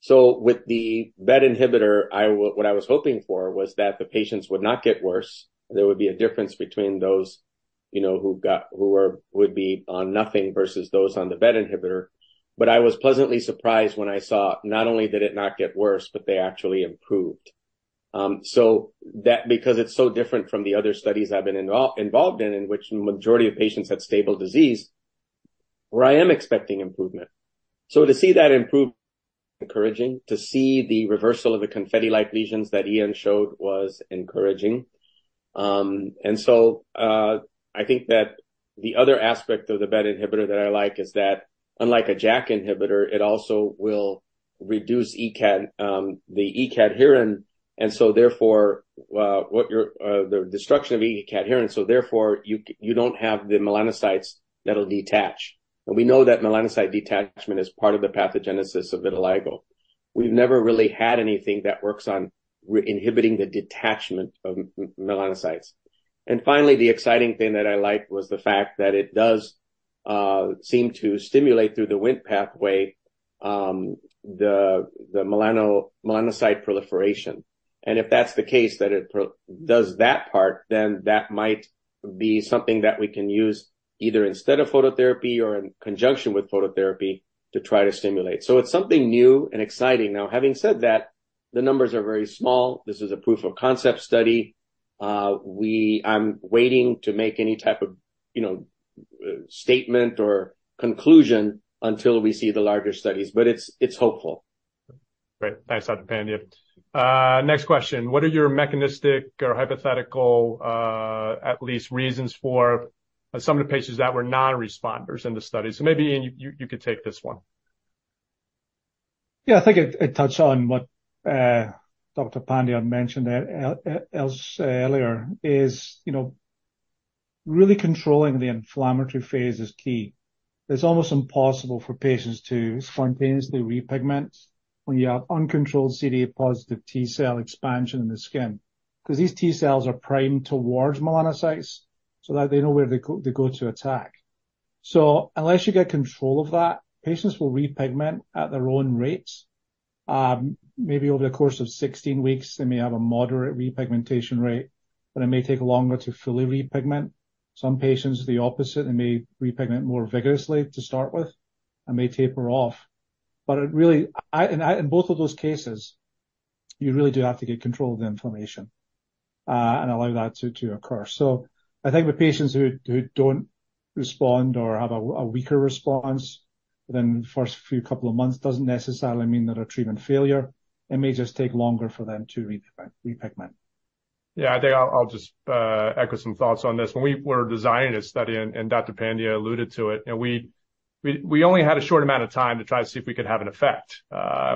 So with the BET inhibitor, what I was hoping for was that the patients would not get worse. There would be a difference between those, you know, who would be on nothing versus those on the BET inhibitor. But I was pleasantly surprised when I saw not only did it not get worse, but they actually improved. So that because it's so different from the other studies I've been involved in, in which the majority of patients had stable disease, where I am expecting improvement. So to see that improve, encouraging. To see the reversal of the confetti-like lesions that Iain showed was encouraging. And so, I think that the other aspect of the BET inhibitor that I like is that unlike a JAK inhibitor, it also will reduce E-cad, the E-cadherin, and so, therefore, the destruction of E-cadherin, so therefore, you don't have the melanocytes that'll detach. And we know that melanocyte detachment is part of the pathogenesis of vitiligo. We've never really had anything that works on inhibiting the detachment of melanocytes. And finally, the exciting thing that I liked was the fact that it does seem to stimulate through the WNT pathway, the melanocyte proliferation. And if that's the case, that it does that part, then that might be something that we can use either instead of phototherapy or in conjunction with phototherapy to try to stimulate. So it's something new and exciting. Now, having said that, the numbers are very small. This is a proof of concept study. I'm waiting to make any type of, you know, statement or conclusion until we see the larger studies, but it's, it's hopeful. Great. Thanks, Dr. Pandya. Next question: What are your mechanistic or hypothetical, at least reasons for some of the patients that were non-responders in the study? So maybe, Iain, you could take this one. Yeah, I think it touched on what Dr. Pandya mentioned earlier is, you know, really controlling the inflammatory phase is key. It's almost impossible for patients to spontaneously re-pigment when you have uncontrolled CD8+ T cell expansion in the skin. Because these T cells are primed towards melanocytes so that they know where they go, they go to attack. So unless you get control of that, patients will re-pigment at their own rates. Maybe over the course of 16 weeks, they may have a moderate re-pigmentation rate, but it may take longer to fully re-pigment. Some patients, the opposite, they may re-pigment more vigorously to start with and may taper off. But it really, in both of those cases, you really do have to get control of the inflammation, and allow that to occur. I think the patients who don't respond or have a weaker response within the first few couple of months doesn't necessarily mean they're a treatment failure. It may just take longer for them to repigment. Yeah, I think I'll just echo some thoughts on this. When we were designing this study, and Dr. Pandya alluded to it, and we only had a short amount of time to try to see if we could have an effect.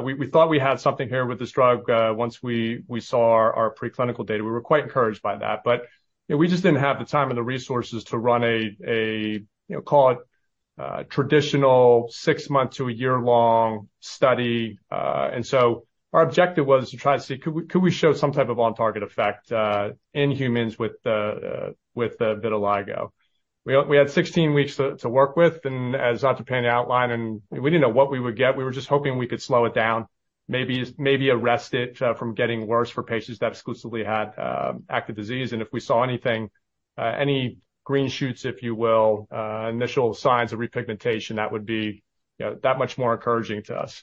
We thought we had something here with this drug. Once we saw our preclinical data, we were quite encouraged by that. But, you know, we just didn't have the time and the resources to run a you know, call it traditional six-month to a year-long study. And so our objective was to try to see, could we show some type of on-target effect in humans with the vitiligo? We had 16 weeks to work with, and as Dr. Pandya outlined, and we didn't know what we would get. We were just hoping we could slow it down, maybe, maybe arrest it, from getting worse for patients that exclusively had, active disease. And if we saw anything, any green shoots, if you will, initial signs of re-pigmentation, that would be, you know, that much more encouraging to us.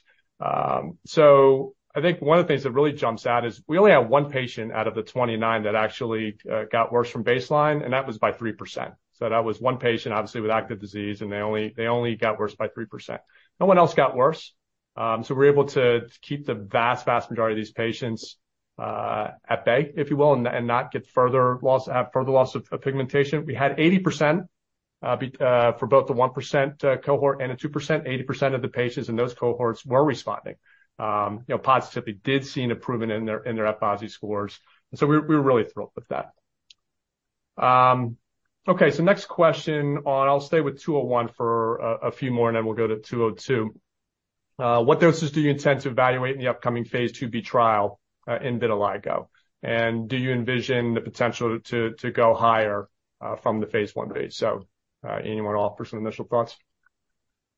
So I think one of the things that really jumps out is we only had one patient out of the 29 that actually, got worse from baseline, and that was by 3%. So that was one patient, obviously, with active disease, and they only, they only got worse by 3%. No one else got worse. So we were able to keep the vast, vast majority of these patients, at bay, if you will, and, and not get further loss, further loss of, of pigmentation. We had 80% for both the 1% cohort and the 2%. 80% of the patients in those cohorts were responding, you know, positively, did see an improvement in their, in their EPASI scores, and so we, we were really thrilled with that. Okay, so next question. I'll stay with 201 for a few more, and then we'll go to 202. What doses do you intend to evaluate in the upcoming phase II-B trial in vitiligo? And do you envision the potential to go higher from the phase I data? So, Iain, you want to offer some initial thoughts?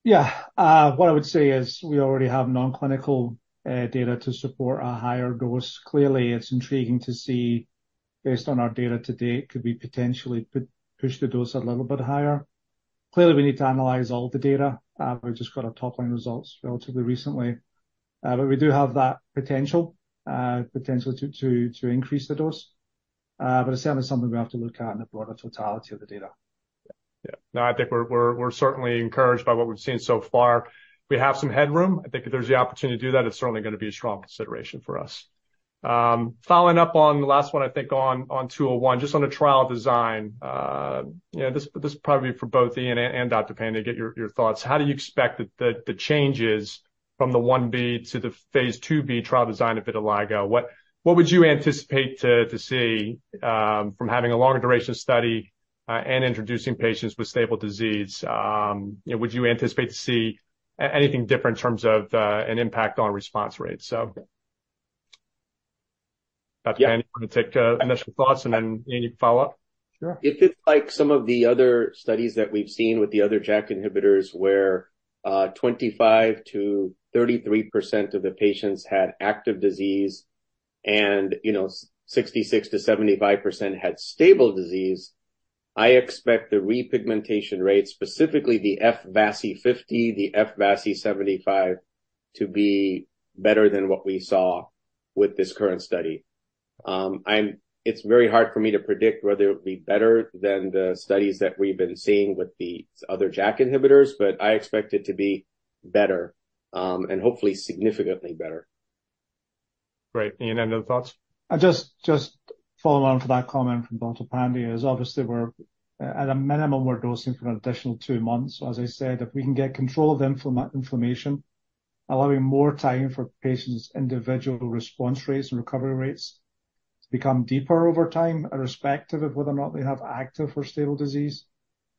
Yeah. What I would say is we already have non-clinical data to support a higher dose. Clearly, it's intriguing to see, based on our data to date, could we potentially push the dose a little bit higher? Clearly, we need to analyze all the data. We've just got our top-line results relatively recently, but we do have that potential to increase the dose. But it's certainly something we have to look at in the broader totality of the data. Yeah. No, I think we're certainly encouraged by what we've seen so far. We have some headroom. I think if there's the opportunity to do that, it's certainly going to be a strong consideration for us. Following up on the last one, I think on 201, just on the trial design, you know, this is probably for both Iain and Dr. Pandya, to get your thoughts. How do you expect the changes from the 1b to the phase II-B trial design of vitiligo? What would you anticipate to see from having a longer duration of study and introducing patients with stable disease? You know, would you anticipate to see anything different in terms of an impact on response rates? So, Dr. Pandya, want to take initial thoughts, and then, Iain, you can follow up? Sure. If it's like some of the other studies that we've seen with the other JAK inhibitors, where 25%-33% of the patients had active disease and, you know, 66%-75% had stable disease, I expect the re-pigmentation rate, specifically the F-VASI 50, the F-VASI 75, to be better than what we saw with this current study. It's very hard for me to predict whether it would be better than the studies that we've been seeing with the other JAK inhibitors, but I expect it to be better, and hopefully significantly better. Great. Iain, any other thoughts? I just follow on to that comment from Dr. Pandya. Obviously, we're dosing for an additional two months at a minimum. So as I said, if we can get control of the inflammation, allowing more time for patients' individual response rates and recovery rates to become deeper over time, irrespective of whether or not they have active or stable disease,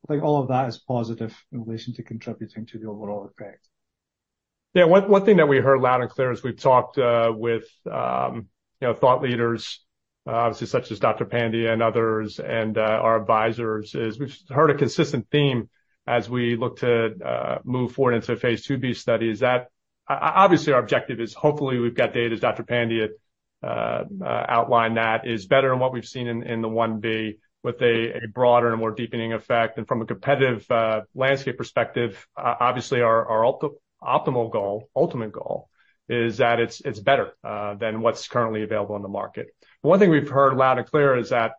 I think all of that is positive in relation to contributing to the overall effect. Yeah. One thing that we heard loud and clear as we've talked with you know thought leaders obviously such as Dr. Pandya and others and our advisors is we've heard a consistent theme as we look to move forward into phase II-B studies that obviously our objective is hopefully we've got data as Dr. Pandya outlined that is better than what we've seen in the I-B with a broader and more deepening effect. And from a competitive landscape perspective obviously our optimal goal ultimate goal is that it's better than what's currently available on the market. One thing we've heard loud and clear is that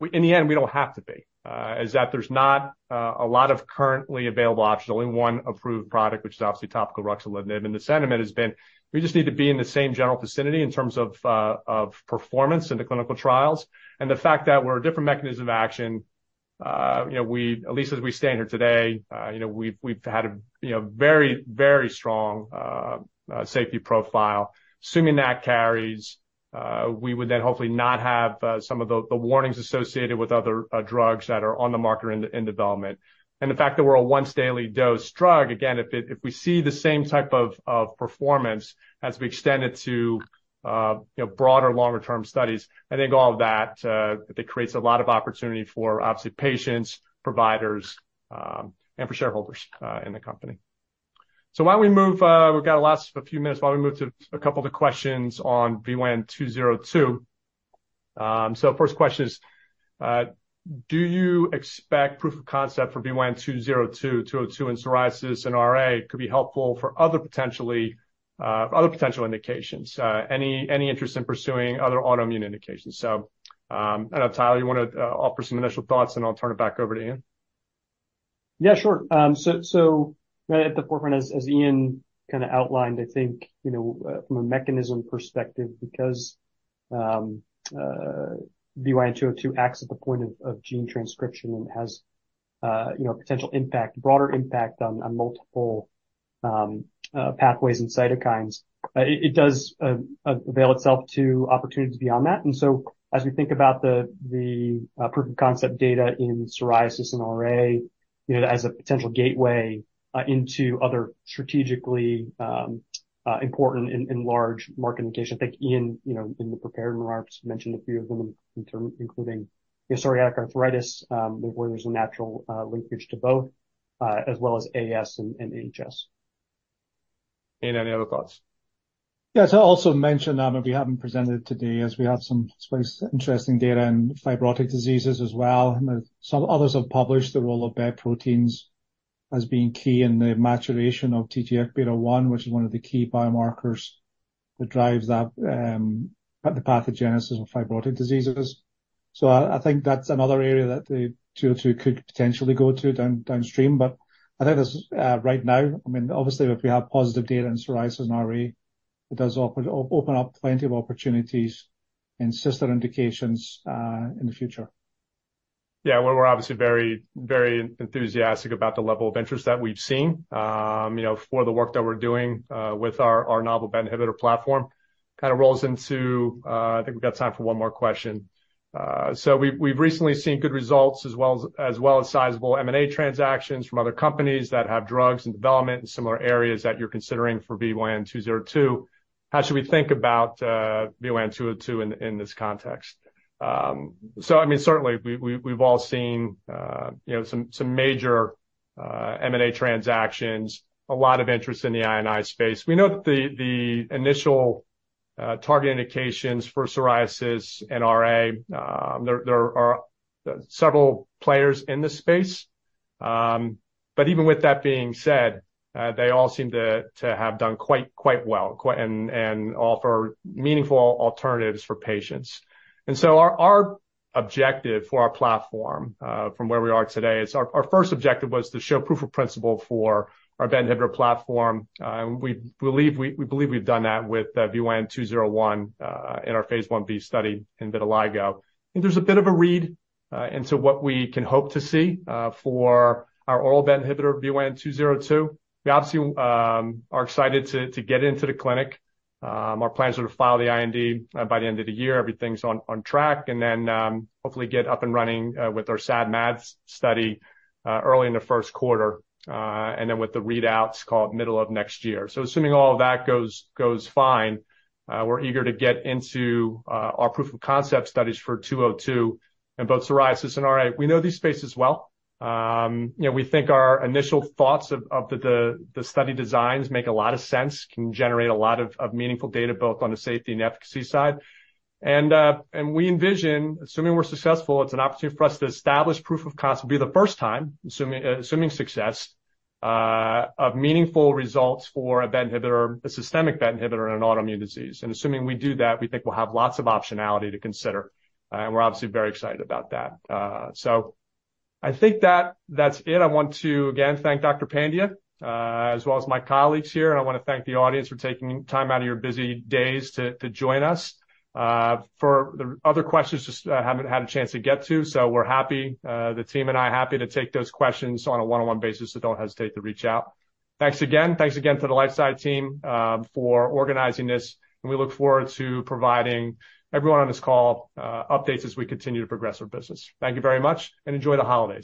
we in the end we don't have to be is that there's not a lot of currently available options. There's only one approved product, which is obviously topical ruxolitinib, and the sentiment has been, we just need to be in the same general vicinity in terms of performance in the clinical trials. And the fact that we're a different mechanism of action, you know, we at least as we stand here today, you know, we've, we've had a, you know, very, very strong safety profile. Assuming that carries, we would then hopefully not have some of the, the warnings associated with other drugs that are on the market or in development. The fact that we're a once-daily dose drug, again, if we see the same type of performance as we extend it to, you know, broader, longer-term studies, I think all of that that creates a lot of opportunity for, obviously, patients, providers, and for shareholders, in the company. So why don't we move, we've got a last few minutes, why don't we move to a couple of the questions on VYN202? So first question is, do you expect proof of concept for VYN202, 202, in psoriasis and RA could be helpful for other potentially, other potential indications? Any interest in pursuing other autoimmune indications? So, I don't know, Tyler, you want to offer some initial thoughts, and I'll turn it back over to Iain. Yeah, sure. So, right at the forefront, as Iain kind of outlined, I think, you know, from a mechanism perspective, because, VYN202 acts at the point of gene transcription and has, you know, potential impact, broader impact on multiple pathways and cytokines. It does avail itself to opportunities beyond that. And so as we think about the proof of concept data in psoriasis and RA, you know, as a potential gateway into other strategically important and large market indications, I think Iain, you know, in the prepared remarks, mentioned a few of them, including psoriatic arthritis, where there's a natural linkage to both, as well as AS and HS. Iain, any other thoughts? Yes, I also mentioned, we haven't presented today, as we have some space, interesting data in fibrotic diseases as well. Some others have published the role of BET proteins as being key in the maturation of TGF-β1, which is one of the key biomarkers that drives that, the pathogenesis of fibrotic diseases. So I think that's another area that the 202 could potentially go to downstream, but I think as right now, I mean, obviously, if we have positive data in psoriasis and RA, it does open up plenty of opportunities and sister indications, in the future. Yeah. Well, we're obviously very, very enthusiastic about the level of interest that we've seen, you know, for the work that we're doing, with our novel BET inhibitor platform. Kinda rolls into, I think we've got time for one more question. So we've recently seen good results as well as sizable M&A transactions from other companies that have drugs in development in similar areas that you're considering for VYN202. How should we think about VYN202 in this context? So I mean, certainly, we've all seen, you know, some major M&A transactions, a lot of interest in the I&I space. We know that the initial target indications for psoriasis and RA, there are several players in this space. But even with that being said, they all seem to have done quite well and offer meaningful alternatives for patients. So our objective for our platform from where we are today is our first objective was to show proof of principle for our BET inhibitor platform. We believe we've done that with VYN201 in phase I-B study in vitiligo. I think there's a bit of a read into what we can hope to see for our oral BET inhibitor, VYN202. We obviously are excited to get into the clinic. Our plans are to file the IND by the end of the year. Everything's on track, and then hopefully get up and running with our SAD/MAD study early in the first quarter, and then with the readouts called middle of next year. So assuming all of that goes fine, we're eager to get into our proof of concept studies for VYN202 in both psoriasis and RA. We know these spaces well. You know, we think our initial thoughts of the study designs make a lot of sense, can generate a lot of meaningful data, both on the safety and efficacy side. And we envision, assuming we're successful, it's an opportunity for us to establish proof of concept, be the first time, assuming success, of meaningful results for a BET inhibitor, a systemic BET inhibitor in an autoimmune disease. And assuming we do that, we think we'll have lots of optionality to consider, and we're obviously very excited about that. So I think that, that's it. I want to again thank Dr. Pandya, as well as my colleagues here, and I want to thank the audience for taking time out of your busy days to, to join us. For the other questions, just I haven't had a chance to get to, so we're happy, the team and I are happy to take those questions on a one-on-one basis, so don't hesitate to reach out. Thanks again. Thanks again to the LifeSci team, for organizing this, and we look forward to providing everyone on this call, updates as we continue to progress our business. Thank you very much and enjoy the holidays.